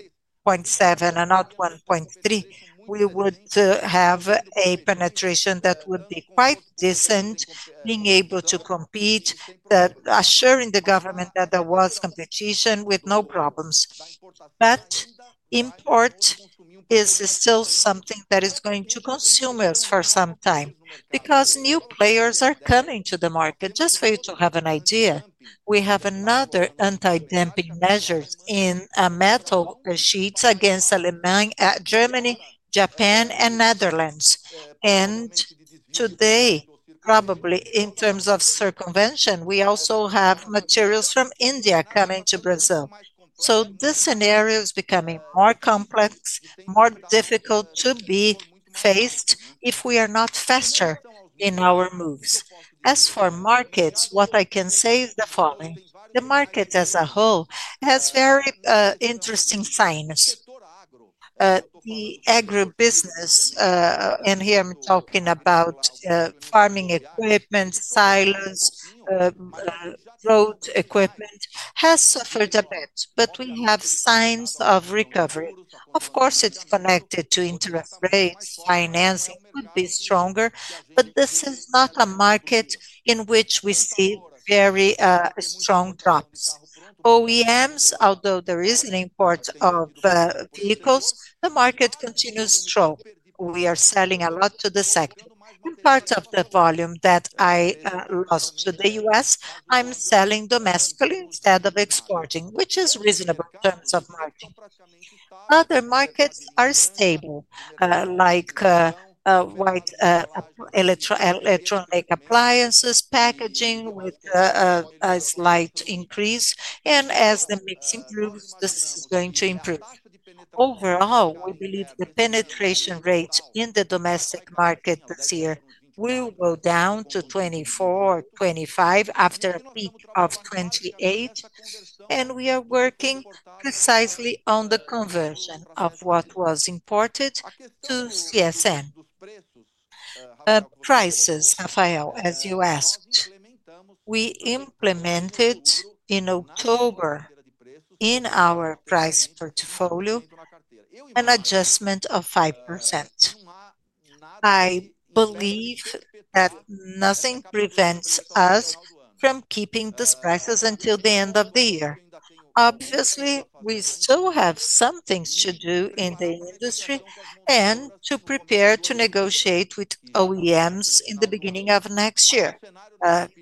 0.7 and not 1.3, we would have a penetration that would be quite decent, being able to compete, assuring the government that there was competition with no problems. Import is still something that is going to consume us for some time because new players are coming to the market. Just for you to have an idea, we have another anti-dumping measure in metal sheets against Germany, Japan, and Netherlands. And today, probably in terms of circumvention, we also have materials from India coming to Brazil. This scenario is becoming more complex, more difficult to be faced if we are not faster in our moves. As for markets, what I can say is the following. The market as a whole has very interesting signs. The agribusiness, and here I am talking about farming equipment, silos. Roads equipment has suffered a bit, but we have signs of recovery. Of course, it is connected to interest rates. Financing could be stronger, but this is not a market in which we see very strong drops. OEMs, although there is an import of vehicles, the market continues to grow. We are selling a lot to the sector. Part of the volume that I lost to the U.S., I am selling domestically instead of exporting, which is reasonable in terms of marketing. Other markets are stable, like white electronic appliances, packaging with a slight increase. As the mix improves, this is going to improve. Overall, we believe the penetration rate in the domestic market this year will go down to 24% or 25% after a peak of 28%. We are working precisely on the conversion of what was imported to CSN. Prices, Rafael, as you asked. We implemented in October, in our price portfolio, an adjustment of 5%. I believe that nothing prevents us from keeping these prices until the end of the year. Obviously, we still have some things to do in the industry and to prepare to negotiate with OEMs in the beginning of next year.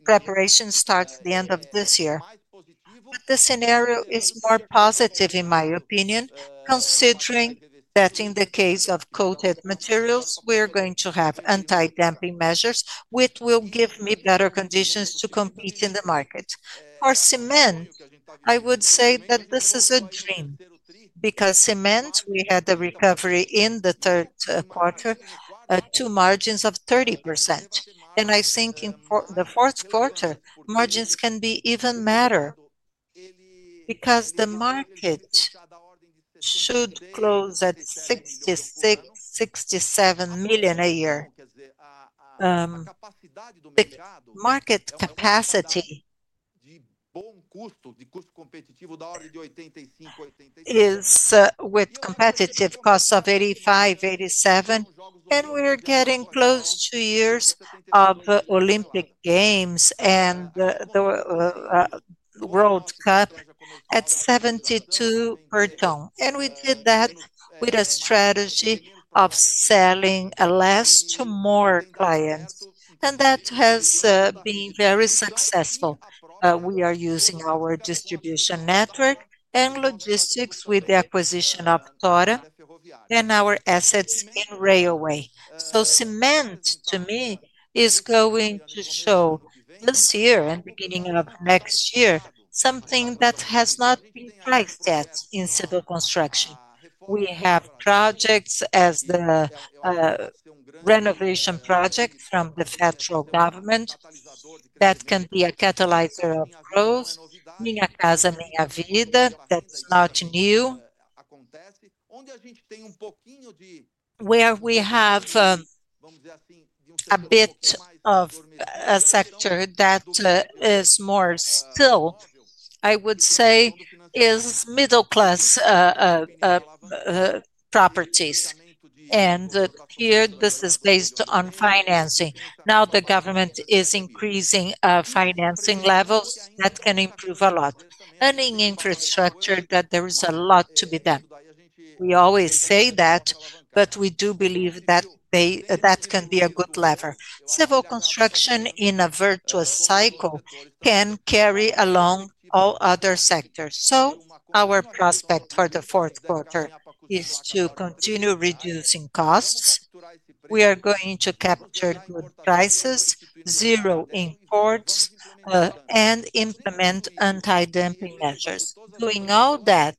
Preparation starts at the end of this year. The scenario is more positive, in my opinion, considering that in the case of coated materials, we are going to have anti-dumping measures, which will give me better conditions to compete in the market. For cement, I would say that this is a dream because cement, we had the recovery in the third quarter. To margins of 30%. I think in the fourth quarter, margins can be even better. Because the market should close at 66-67 million a year. The market capacity is with competitive costs of 85-87. We are getting close to years of Olympic Games and the World Cup at 72 per ton. We did that with a strategy of selling less to more clients, and that has been very successful. We are using our distribution network and logistics with the acquisition of TORA and our assets in railway. Cement, to me, is going to show this year and beginning of next year something that has not been flagged yet in civil construction. We have projects as the renovation project from the federal government. That can be a catalyzer of growth. Minha Casa, Minha Vida, that's not new. Where we have a bit of a sector that is more still, I would say, is middle-class properties. And here, this is based on financing. Now, the government is increasing financing levels that can improve a lot. In infrastructure, there is a lot to be done. We always say that, but we do believe that can be a good lever. Civil construction in a virtuous cycle can carry along all other sectors. Our prospect for the fourth quarter is to continue reducing costs. We are going to capture good prices, zero imports, and implement anti-dumping measures. Doing all that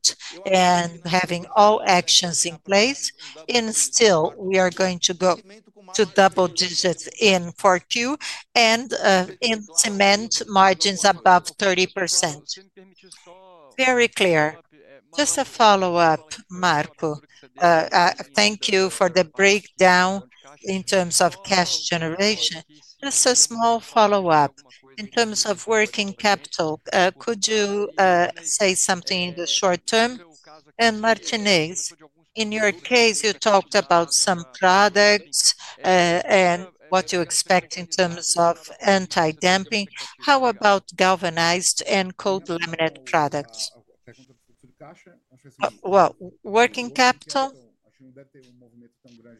and having all actions in place, still, we are going to go to double digits in 4Q and in cement margins above 30%. Very clear. Just a follow-up, Marco. Thank you for the breakdown in terms of cash generation. Just a small follow-up. In terms of working capital, could you say something in the short term? And Martinez, in your case, you talked about some products. And what you expect in terms of anti-dumping. How about galvanized and cold laminate products? Working capital.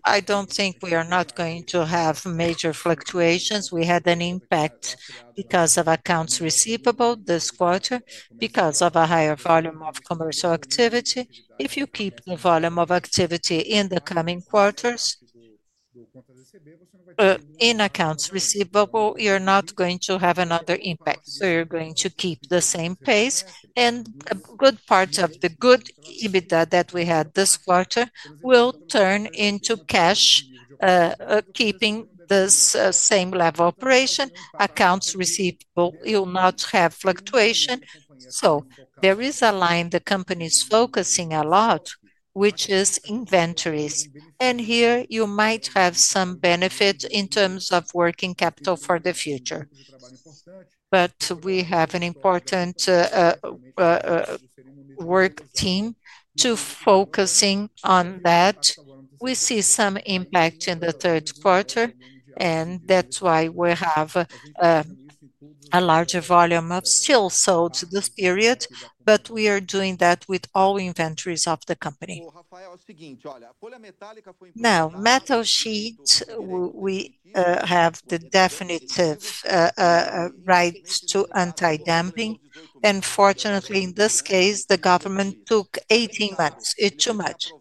I do not think we are not going to have major fluctuations. We had an impact because of accounts receivable this quarter, because of a higher volume of commercial activity. If you keep the volume of activity in the coming quarters. In accounts receivable, you are not going to have another impact. You are going to keep the same pace. A good part of the good EBITDA that we had this quarter will turn into cash. Keeping this same level of operation, accounts receivable will not have fluctuation. There is a line the company is focusing a lot, which is inventories. Here, you might have some benefit in terms of working capital for the future. We have an important work team to focus on that. We see some impact in the third quarter, and that is why we have a larger volume of steel sold this period, but we are doing that with all inventories of the company. Now, metal sheet, we have the definitive right to anti-dumping. Fortunately, in this case, the government took 18 months. It is too much.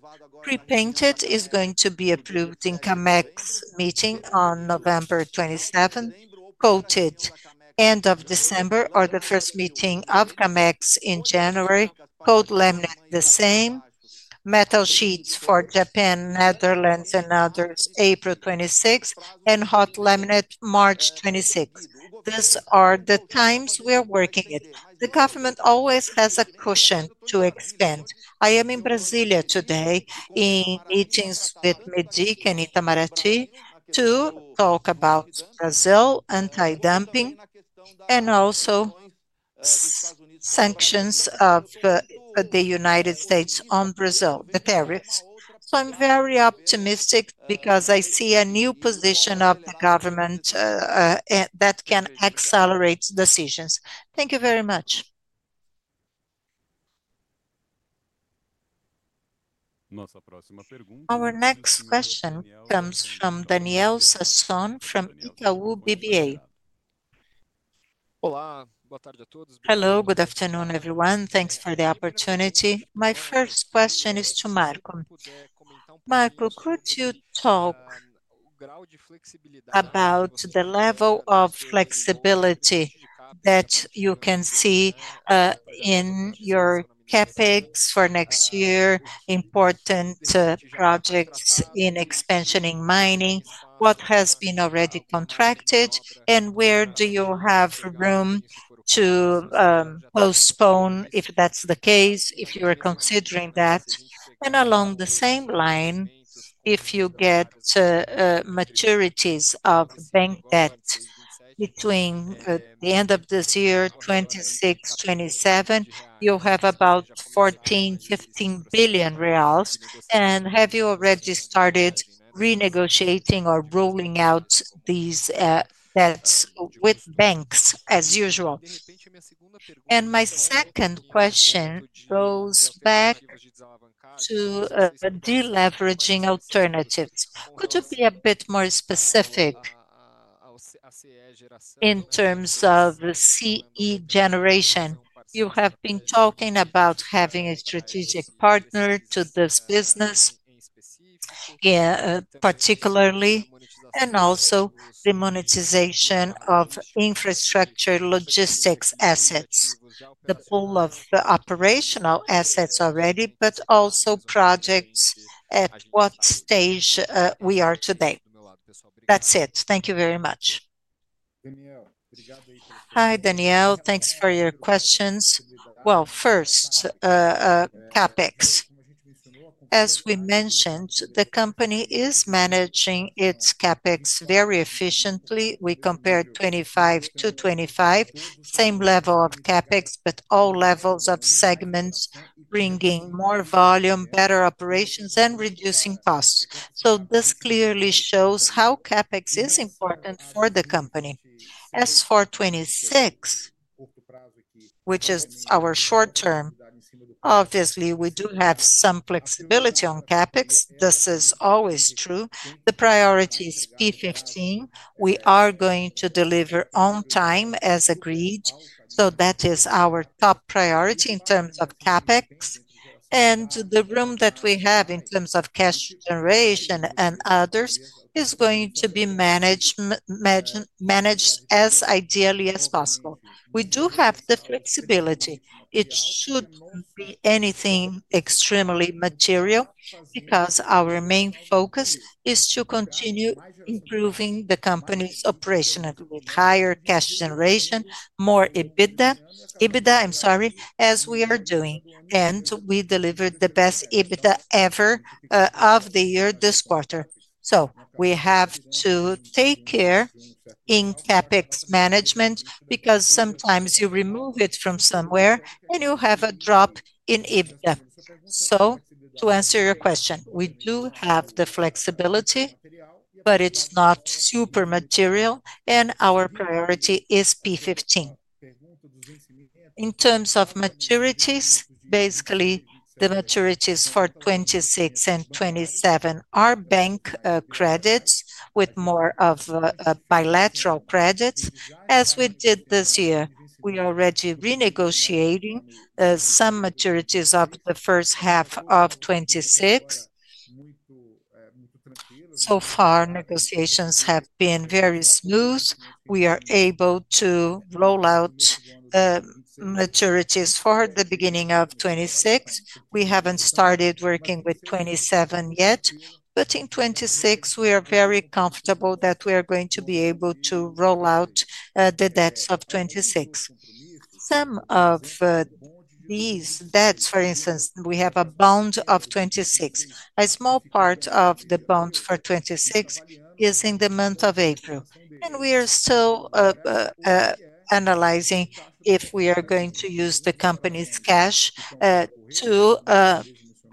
Pre-painted is going to be approved in CAMEX meeting on November 27. Coated, end of December, or the first meeting of CAMEX in January. Cold laminate, the same. Metal sheets for Japan, Netherlands, and others, April 26, and hot laminate, March 26. These are the times we are working it. The government always has a cushion to expand. I am in Brazil today in meetings with MDIC and Itamaraty to talk about Brazil anti-dumping and also sanctions of the United States on Brazil, the tariffs. I am very optimistic because I see a new position of the government that can accelerate decisions. Thank you very much. Our next question comes from Daniel Sasson from Itaú BBA. Olá, boa tarde a todos. Hello, good afternoon, everyone. Thanks for the opportunity. My first question is to Marco. Marco, could you talk about the level of flexibility that you can see in your CapEx for next year, important projects in expansion in mining, what has been already contracted, and where do you have room to postpone if that's the case, if you are considering that? Along the same line, if you get maturities of bank debt between the end of this year, 2026, 2027, you'll have about 14 billion-15 billion reais. Have you already started renegotiating or rolling out these debts with banks, as usual? My second question goes back to deleveraging alternatives. Could you be a bit more specific in terms of C3E generation? You have been talking about having a strategic partner to this business particularly, and also the monetization of infrastructure logistics assets, the pool of operational assets already, but also projects at what stage we are today. That's it. Thank you very much. Hi, Daniel. Thanks for your questions. First, CapEx. As we mentioned, the company is managing its CapEx very efficiently. We compared 2025 to 2025, same level of CapEx, but all levels of segments bringing more volume, better operations, and reducing costs. This clearly shows how CapEx is important for the company. As for 2026. Which is our short term, obviously, we do have some flexibility on CapEx. This is always true. The priority is P15. We are going to deliver on time as agreed. That is our top priority in terms of CapEx. The room that we have in terms of cash generation and others is going to be managed as ideally as possible. We do have the flexibility. It should not be anything extremely material because our main focus is to continue improving the company's operation with higher cash generation, more EBITDA. EBITDA, I'm sorry, as we are doing. We delivered the best EBITDA ever of the year this quarter. We have to take care in CapEx management because sometimes you remove it from somewhere and you have a drop in EBITDA. To answer your question, we do have the flexibility, but it's not super material. Our priority is P15. In terms of maturities, basically, the maturities for 2026 and 2027 are bank credits with more of bilateral credits, as we did this year. We are already renegotiating some maturities of the first half of 2026. So far, negotiations have been very smooth. We are able to roll out maturities for the beginning of 2026. We have not started working with 2027 yet, but in 2026, we are very comfortable that we are going to be able to roll out the debts of 2026. Some of these debts, for instance, we have a bond of 2026. A small part of the bond for 2026 is in the month of April. We are still analyzing if we are going to use the company's cash to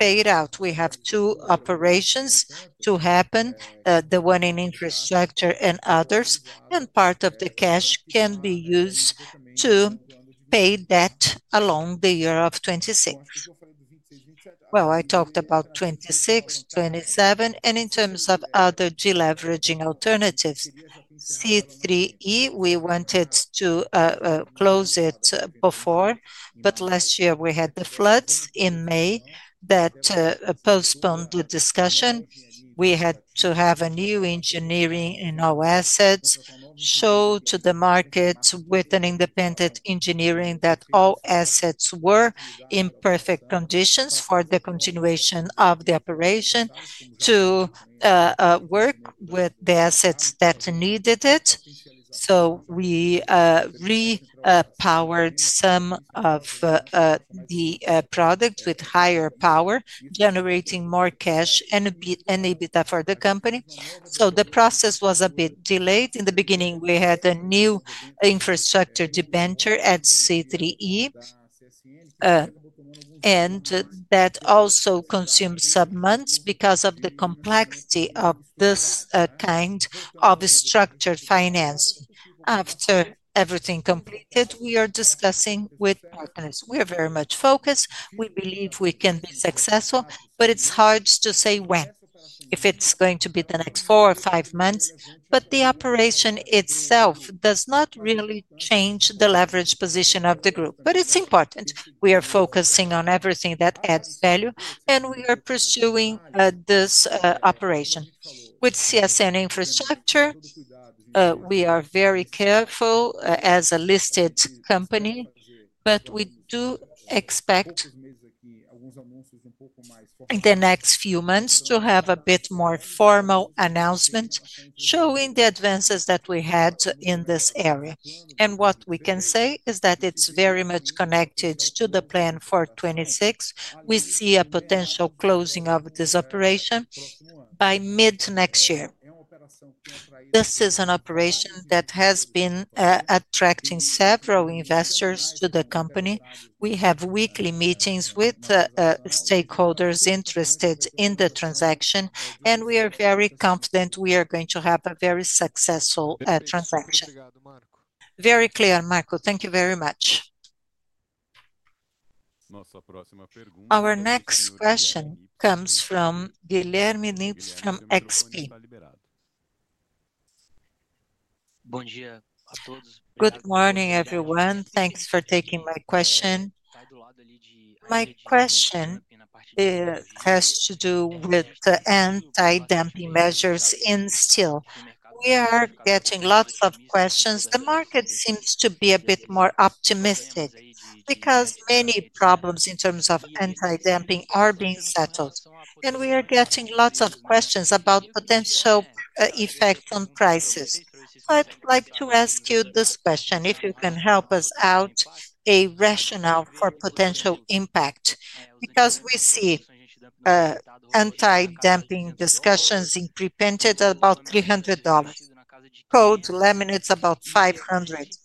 pay it out. We have two operations to happen, the one in infrastructure and others. Part of the cash can be used to pay debt along the year of 2026. I talked about 2026, 2027, and in terms of other deleveraging alternatives. C3E, we wanted to close it before, but last year, we had the floods in May that postponed the discussion. We had to have a new engineering in all assets, show to the market with an independent engineering that all assets were in perfect conditions for the continuation of the operation, to work with the assets that needed it. We repowered some of the product with higher power, generating more cash and EBITDA for the company. The process was a bit delayed. In the beginning, we had a new infrastructure dementor at C3E. That also consumed some months because of the complexity of this kind of structured finance. After everything completed, we are discussing with partners. We are very much focused. We believe we can be successful, but it's hard to say when, if it's going to be the next four or five months. The operation itself does not really change the leverage position of the group, but it's important. We are focusing on everything that adds value, and we are pursuing this operation with CSN Infrastructure. We are very careful as a listed company, but we do expect in the next few months to have a bit more formal announcement showing the advances that we had in this area. What we can say is that it's very much connected to the plan for 2026. We see a potential closing of this operation by mid next year. This is an operation that has been attracting several investors to the company. We have weekly meetings with stakeholders interested in the transaction, and we are very confident we are going to have a very successful transaction. Very clear, Marco. Thank you very much. Our next question comes from Guilherme Nippes from XP. Bom dia a todos. Good morning, everyone. Thanks for taking my question. My question has to do with anti-dumping measures in steel. We are getting lots of questions. The market seems to be a bit more optimistic because many problems in terms of anti-dumping are being settled. We are getting lots of questions about potential effects on prices. I would like to ask you this question, if you can help us out. A rationale for potential impact, because we see anti-dumping discussions in pre-painted about $300, cold laminates about $500.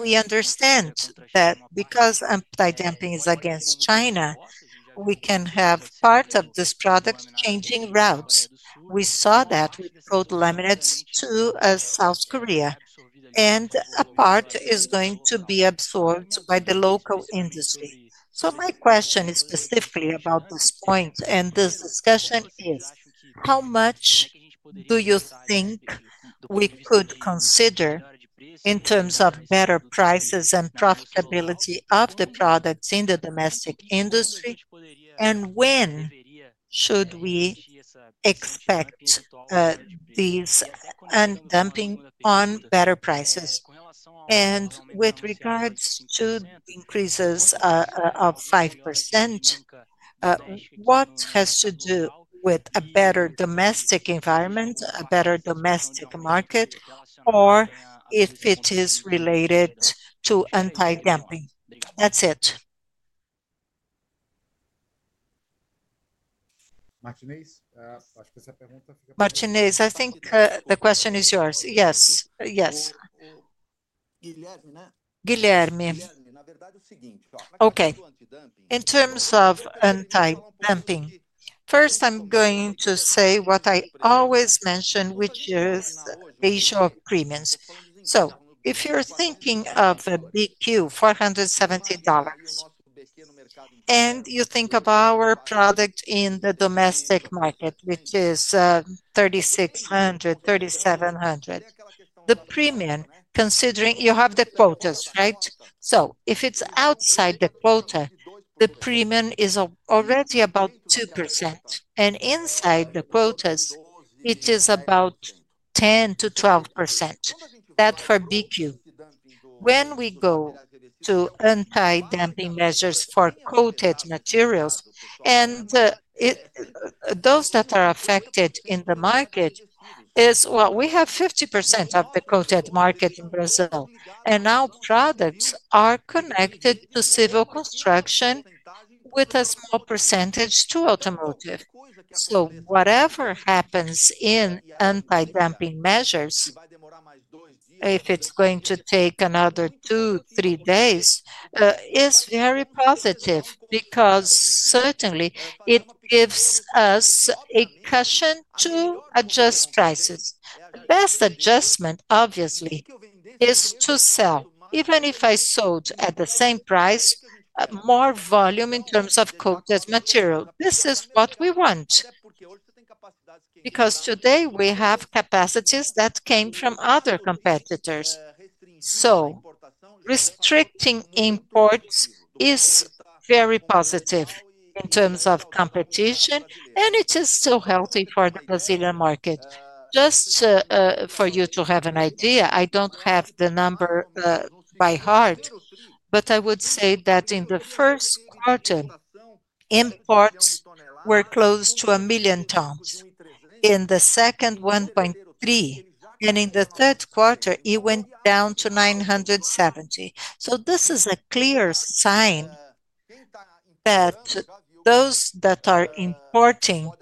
We understand that because anti-dumping is against China, we can have part of this product changing routes. We saw that with cold laminates to South Korea, and a part is going to be absorbed by the local industry. My question is specifically about this point, and this discussion is, how much do you think we could consider in terms of better prices and profitability of the products in the domestic industry, and when should we expect these anti-dumping on better prices? With regards to increases of 5%, what has to do with a better domestic environment, a better domestic market, or if it is related to anti-dumping? That's it. Martinez, I think the question is yours. Yes, yes. Guilherme. Guilherme, na verdade, é o seguinte. Okay. In terms of anti-dumping, first, I'm going to say what I always mention, which is the issue of premiums. If you're thinking of a BQ, $470, and you think of our product in the domestic market, which is 3,600, 3,700, the premium, considering you have the quotas, right? If it is outside the quota, the premium is already about 2%. Inside the quotas, it is about 10%-12%. That for BQ. When we go to anti-dumping measures for coated materials, and those that are affected in the market, we have 50% of the coated market in Brazil. Our products are connected to civil construction with a small percentage to automotive. Whatever happens in anti-dumping measures, if it is going to take another two, three days, is very positive because certainly it gives us a cushion to adjust prices. The best adjustment, obviously, is to sell. Even if I sold at the same price, more volume in terms of coated material. This is what we want because today we have capacities that came from other competitors. Restricting imports is very positive in terms of competition, and it is still healthy for the Brazilian market. Just for you to have an idea, I do not have the number by heart, but I would say that in the first quarter, imports were close to 1 million tons. In the second, 1.3 million, and in the third quarter, it went down to 970,000. This is a clear sign that those that are importing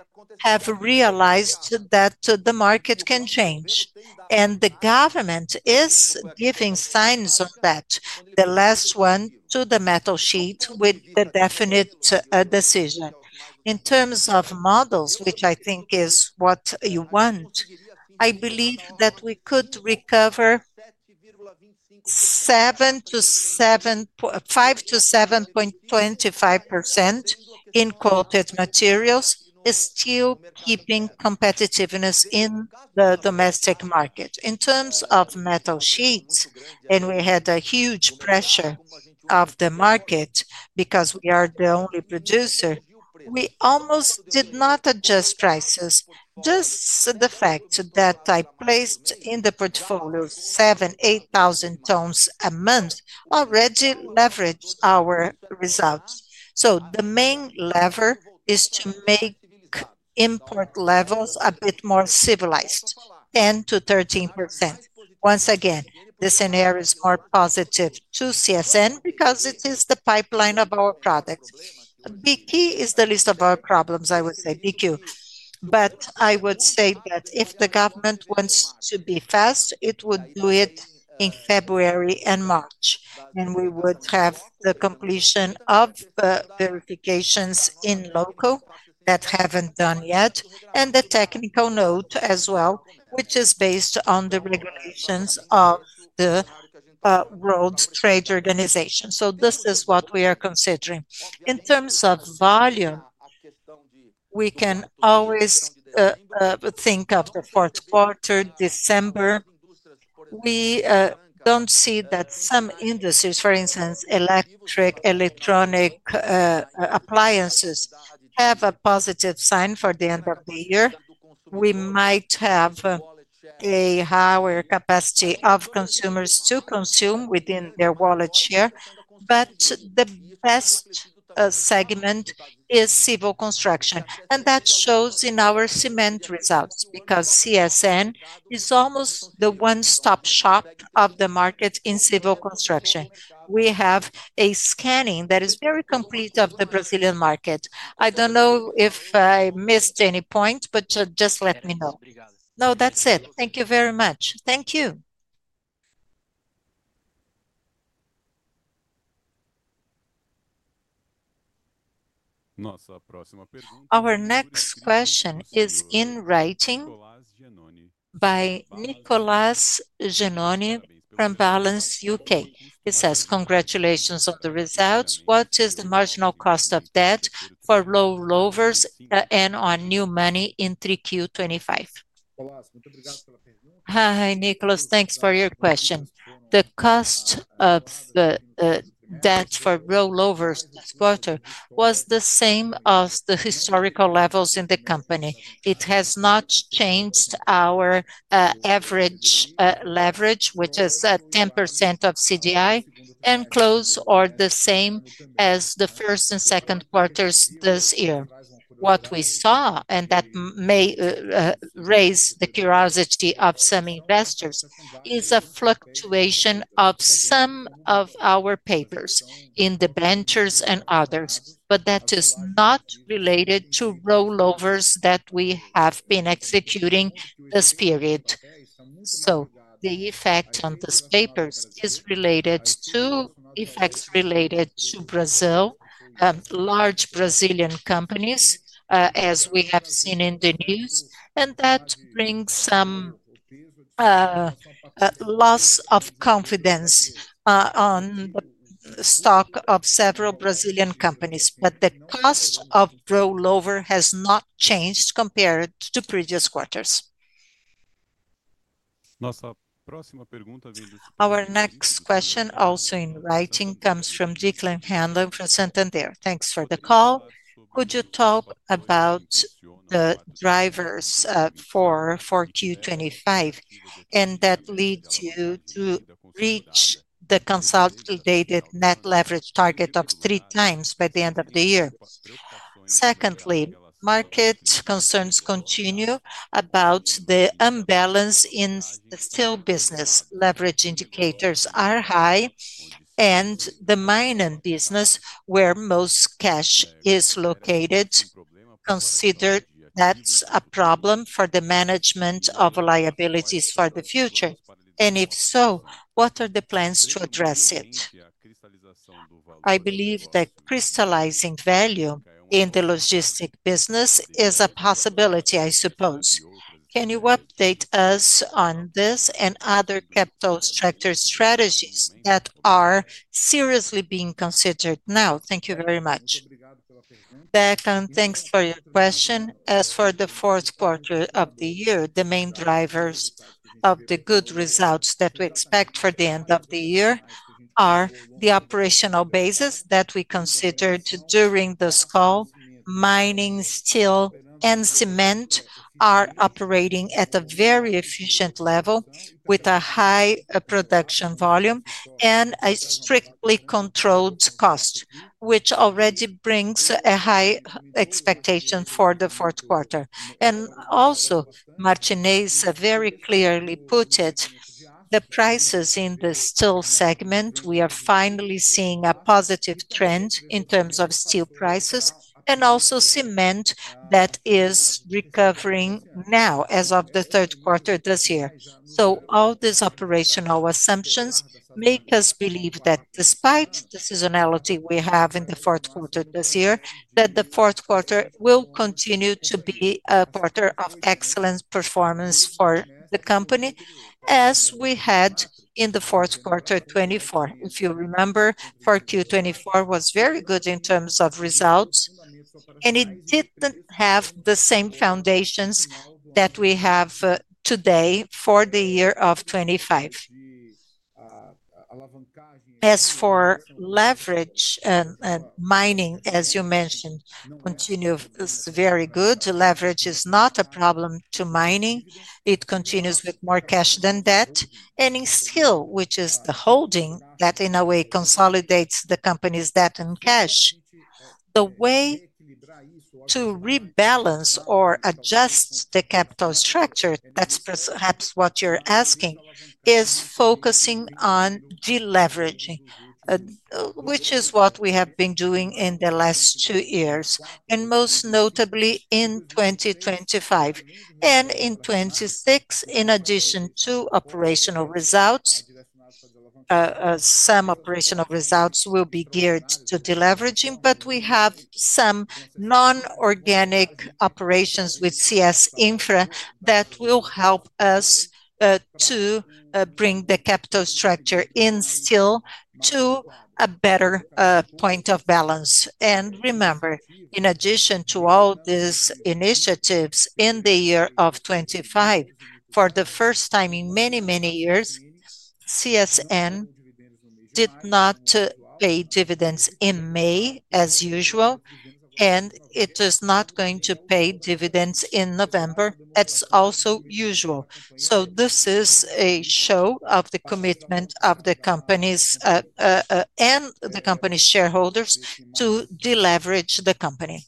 have realized that the market can change. The government is giving signs of that, the last one to the metal sheet with the definite decision. In terms of models, which I think is what you want, I believe that we could recover 7%-7.25%. In coated materials, it is still keeping competitiveness in the domestic market. In terms of metal sheets, and we had a huge pressure of the market because we are the only producer, we almost did not adjust prices. Just the fact that I placed in the portfolio 7,000-8,000 tons a month already leveraged our results. The main lever is to make import levels a bit more civilized, 10%-13%. Once again, this scenario is more positive to CSN because it is the pipeline of our product. BQ is the least of our problems, I would say, BQ. I would say that if the government wants to be fast, it would do it in February and March, and we would have the completion of verifications in local that have not done yet, and the technical note as well, which is based on the regulations of the World Trade Organization. This is what we are considering. In terms of volume, we can always think of the fourth quarter, December. We do not see that some industries, for instance, electric, electronic appliances, have a positive sign for the end of the year. We might have a higher capacity of consumers to consume within their wallet share, but the best segment is civil construction. That shows in our cement results because CSN is almost the one-stop shop of the market in civil construction. We have a scanning that is very complete of the Brazilian market. I do not know if I missed any point, but just let me know. No, that is it. Thank you very much. Thank you. Nossa próxima pergunta. Our next question is in writing by Nicolas Genoni from Balanz Capital Markets He says, "Congratulations on the results. What is the marginal cost of debt for rollovers and on new money in 3Q 2025?" Nicolás, muito obrigado pela pergunta. Hi, Nicolás, thanks for your question. The cost of debt for rollovers this quarter was the same as the historical levels in the company. It has not changed our average leverage, which is 10% of CDI, and close or the same as the first and second quarters this year. What we saw, and that may raise the curiosity of some investors, is a fluctuation of some of our papers in the ventures and others, but that is not related to rollovers that we have been executing this period. The effect on these papers is related to effects related to Brazil, large Brazilian companies, as we have seen in the news, and that brings some loss of confidence, on the stock of several Brazilian companies. The cost of raw material has not changed compared to previous quarters. Nossa próxima pergunta, Guilherme. Our next question, also in writing, comes from Declan Hanrahan from Santander. Thanks for the call. Could you talk about the drivers for 4Q 2025 that lead you to reach the consolidated net leverage target of 3x by the end of the year? Secondly, market concerns continue about the imbalance in the steel business. Leverage indicators are high, and the mining business, where most cash is located, is considered a problem for the management of liabilities for the future. If so, what are the plans to address it? I believe that crystallizing value in the logistics business is a possibility, I suppose. Can you update us on this and other capital structure strategies that are seriously being considered now? Thank you very much. Thnks for your question. As for the fourth quarter of the year, the main drivers of the good results that we expect for the end of the year are the operational basis that we considered during this call. Mining, steel, and cement are operating at a very efficient level with a high production volume and a strictly controlled cost, which already brings a high expectation for the fourth quarter. Martinez very clearly put it, the prices in the steel segment, we are finally seeing a positive trend in terms of steel prices and also cement that is recovering now as of the third quarter this year. All these operational assumptions make us believe that despite the seasonality we have in the fourth quarter this year, the fourth quarter will continue to be a quarter of excellent performance for the company. As we had in the fourth quarter 2024. If you remember, Q4 2024 was very good in terms of results. It did not have the same foundations that we have today for the year of 2025. As for leverage and mining, as you mentioned, continues very good. Leverage is not a problem to mining. It continues with more cash than debt. In steel, which is the holding that in a way consolidates the company's debt and cash, the way to rebalance or adjust the capital structure, that is perhaps what you are asking, is focusing on deleveraging, which is what we have been doing in the last two years, and most notably in 2025. In 2026, in addition to operational results, some operational results will be geared to deleveraging, but we have some non-organic operations with CSN Infrastructure that will help us to bring the capital structure in steel to a better point of balance. Remember, in addition to all these initiatives in the year of 2025, for the first time in many, many years, CSN did not pay dividends in May, as usual, and it is not going to pay dividends in November, as also usual. This is a show of the commitment of the company and the company's shareholders to deleverage the company.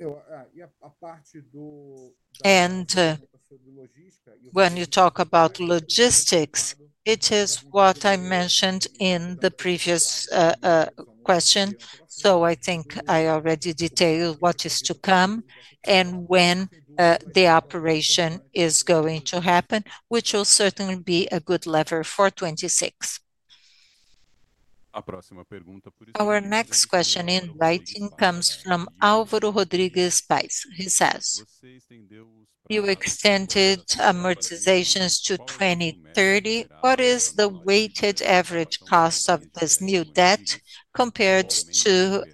E a parte do. When you talk about logistics, it is what I mentioned in the previous question. I think I already detailed what is to come and when the operation is going to happen, which will certainly be a good lever for 2026. A próxima pergunta, por exemplo. Our next question in writing comes from Álvaro Rodrigues Pais. He says, you extended amortizations to 2030. What is the weighted average cost of this new debt compared to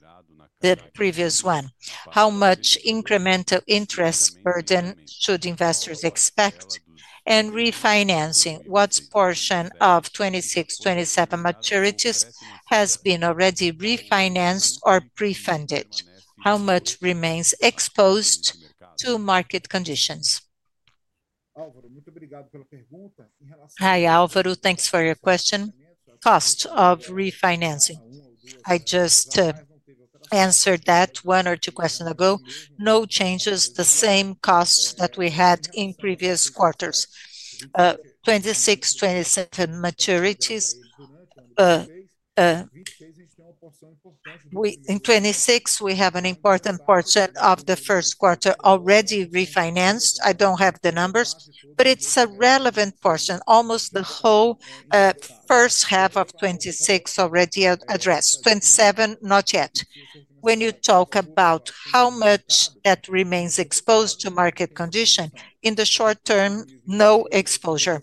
the previous one? How much incremental interest burden should investors expect? Refinancing, what portion of 2026-2027 maturities has been already refinanced or pre-funded? How much remains exposed to market conditions? Álvaro, muito obrigado pela pergunta. Hi, Álvaro, thanks for your question. Cost of refinancing. I just answered that one or two questions ago. No changes, the same costs that we had in previous quarters. 2026-2027 maturities. In 2026, we have an important portion of the first quarter already refinanced. I do not have the numbers, but it is a relevant portion, almost the whole first half of 2026 already addressed. 2027, not yet. When you talk about how much that remains exposed to market condition, in the short term, no exposure.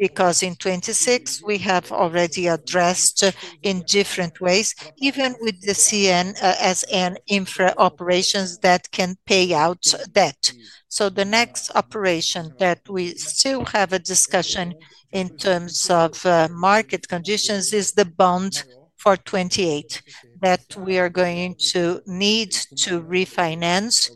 Because in 2026, we have already addressed in different ways, even with the CSN Infrastructure operations that can pay out debt. The next operation that we still have a discussion in terms of market conditions is the bond for 2028 that we are going to need to refinance.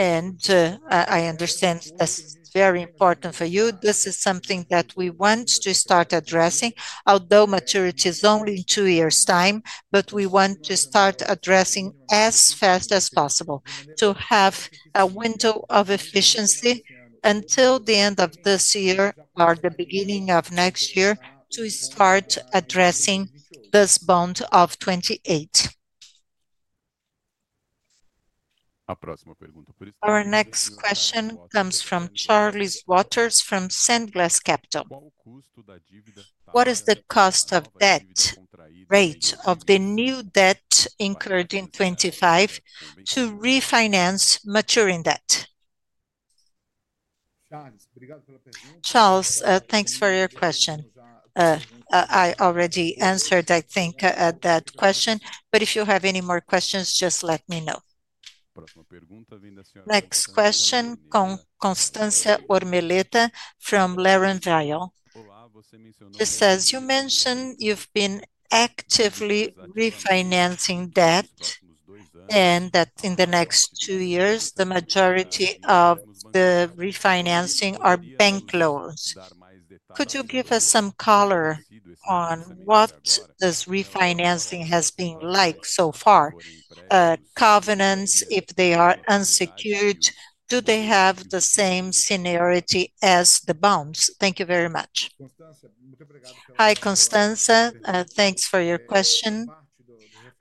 I understand that's very important for you. This is something that we want to start addressing, although maturity is only in two years' time, but we want to start addressing as fast as possible to have a window of efficiency until the end of this year or the beginning of next year to start addressing this bond of 2028. A próxima pergunta, por exemplo. Our next question comes from Charles Waters from Sandglass Capital. What is the cost of debt rate of the new debt incurred in 2025 to refinance maturing debt? Charles, thanks for your question. I already answered, I think, that question, but if you have any more questions, just let me know. Próxima pergunta, vem da senhora. Next question from Constanza Ormella from Leran Vial. Olá, você mencionou. She says, "You mentioned you've been actively refinancing debt. And that in the next two years, the majority of the refinancing are bank loans. Could you give us some color on what this refinancing has been like so far? Covenants, if they are unsecured, do they have the same seniority as the bonds?" Thank you very much. Hi, Constância, thanks for your question.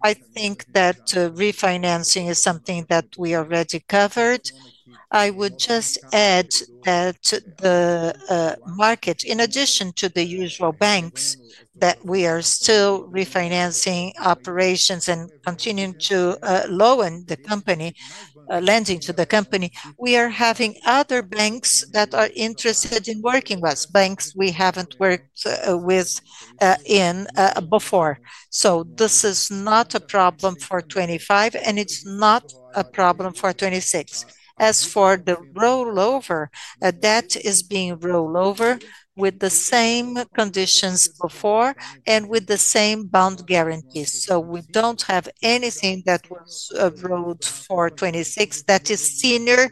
I think that refinancing is something that we already covered. I would just add that the market, in addition to the usual banks, that we are still refinancing operations and continuing to loan the company. Lending to the company, we are having other banks that are interested in working with us, banks we haven't worked with in before. This is not a problem for 2025, and it's not a problem for 2026. As for the rollover, debt is being rollover with the same conditions before and with the same bond guarantees. So we do not have anything that was rolled for 2026 that is senior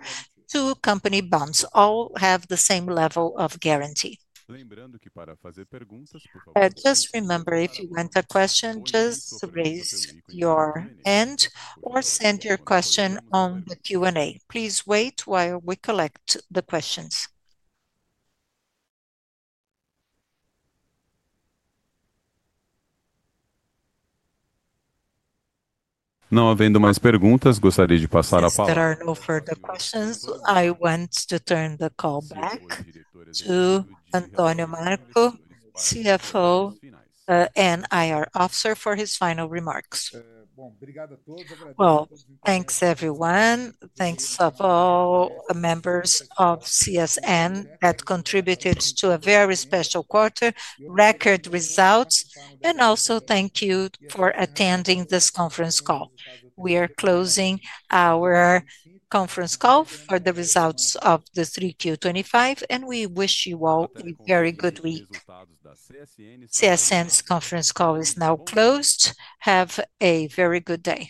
to company bonds. All have the same level of guarantee. Lembrando que para fazer perguntas, por favor. Just remember, if you want a question, just raise your hand or send your question on the Q&A. Please wait while we collect the questions. Não havendo mais perguntas, gostaria de passar a palavra. If there are no further questions, I want to turn the call back to Antonio Marco, CFO and IR Officer, for his final remarks. Bom, obrigado a todos. Well, thanks everyone. Thanks to all members of CSN that contributed to a very special quarter, record results, and also thank you for attending this conference call. We are closing our conference call for the results of the 3Q 2025, and we wish you all a very good week. CSN's conference call is now closed. Have a very good day.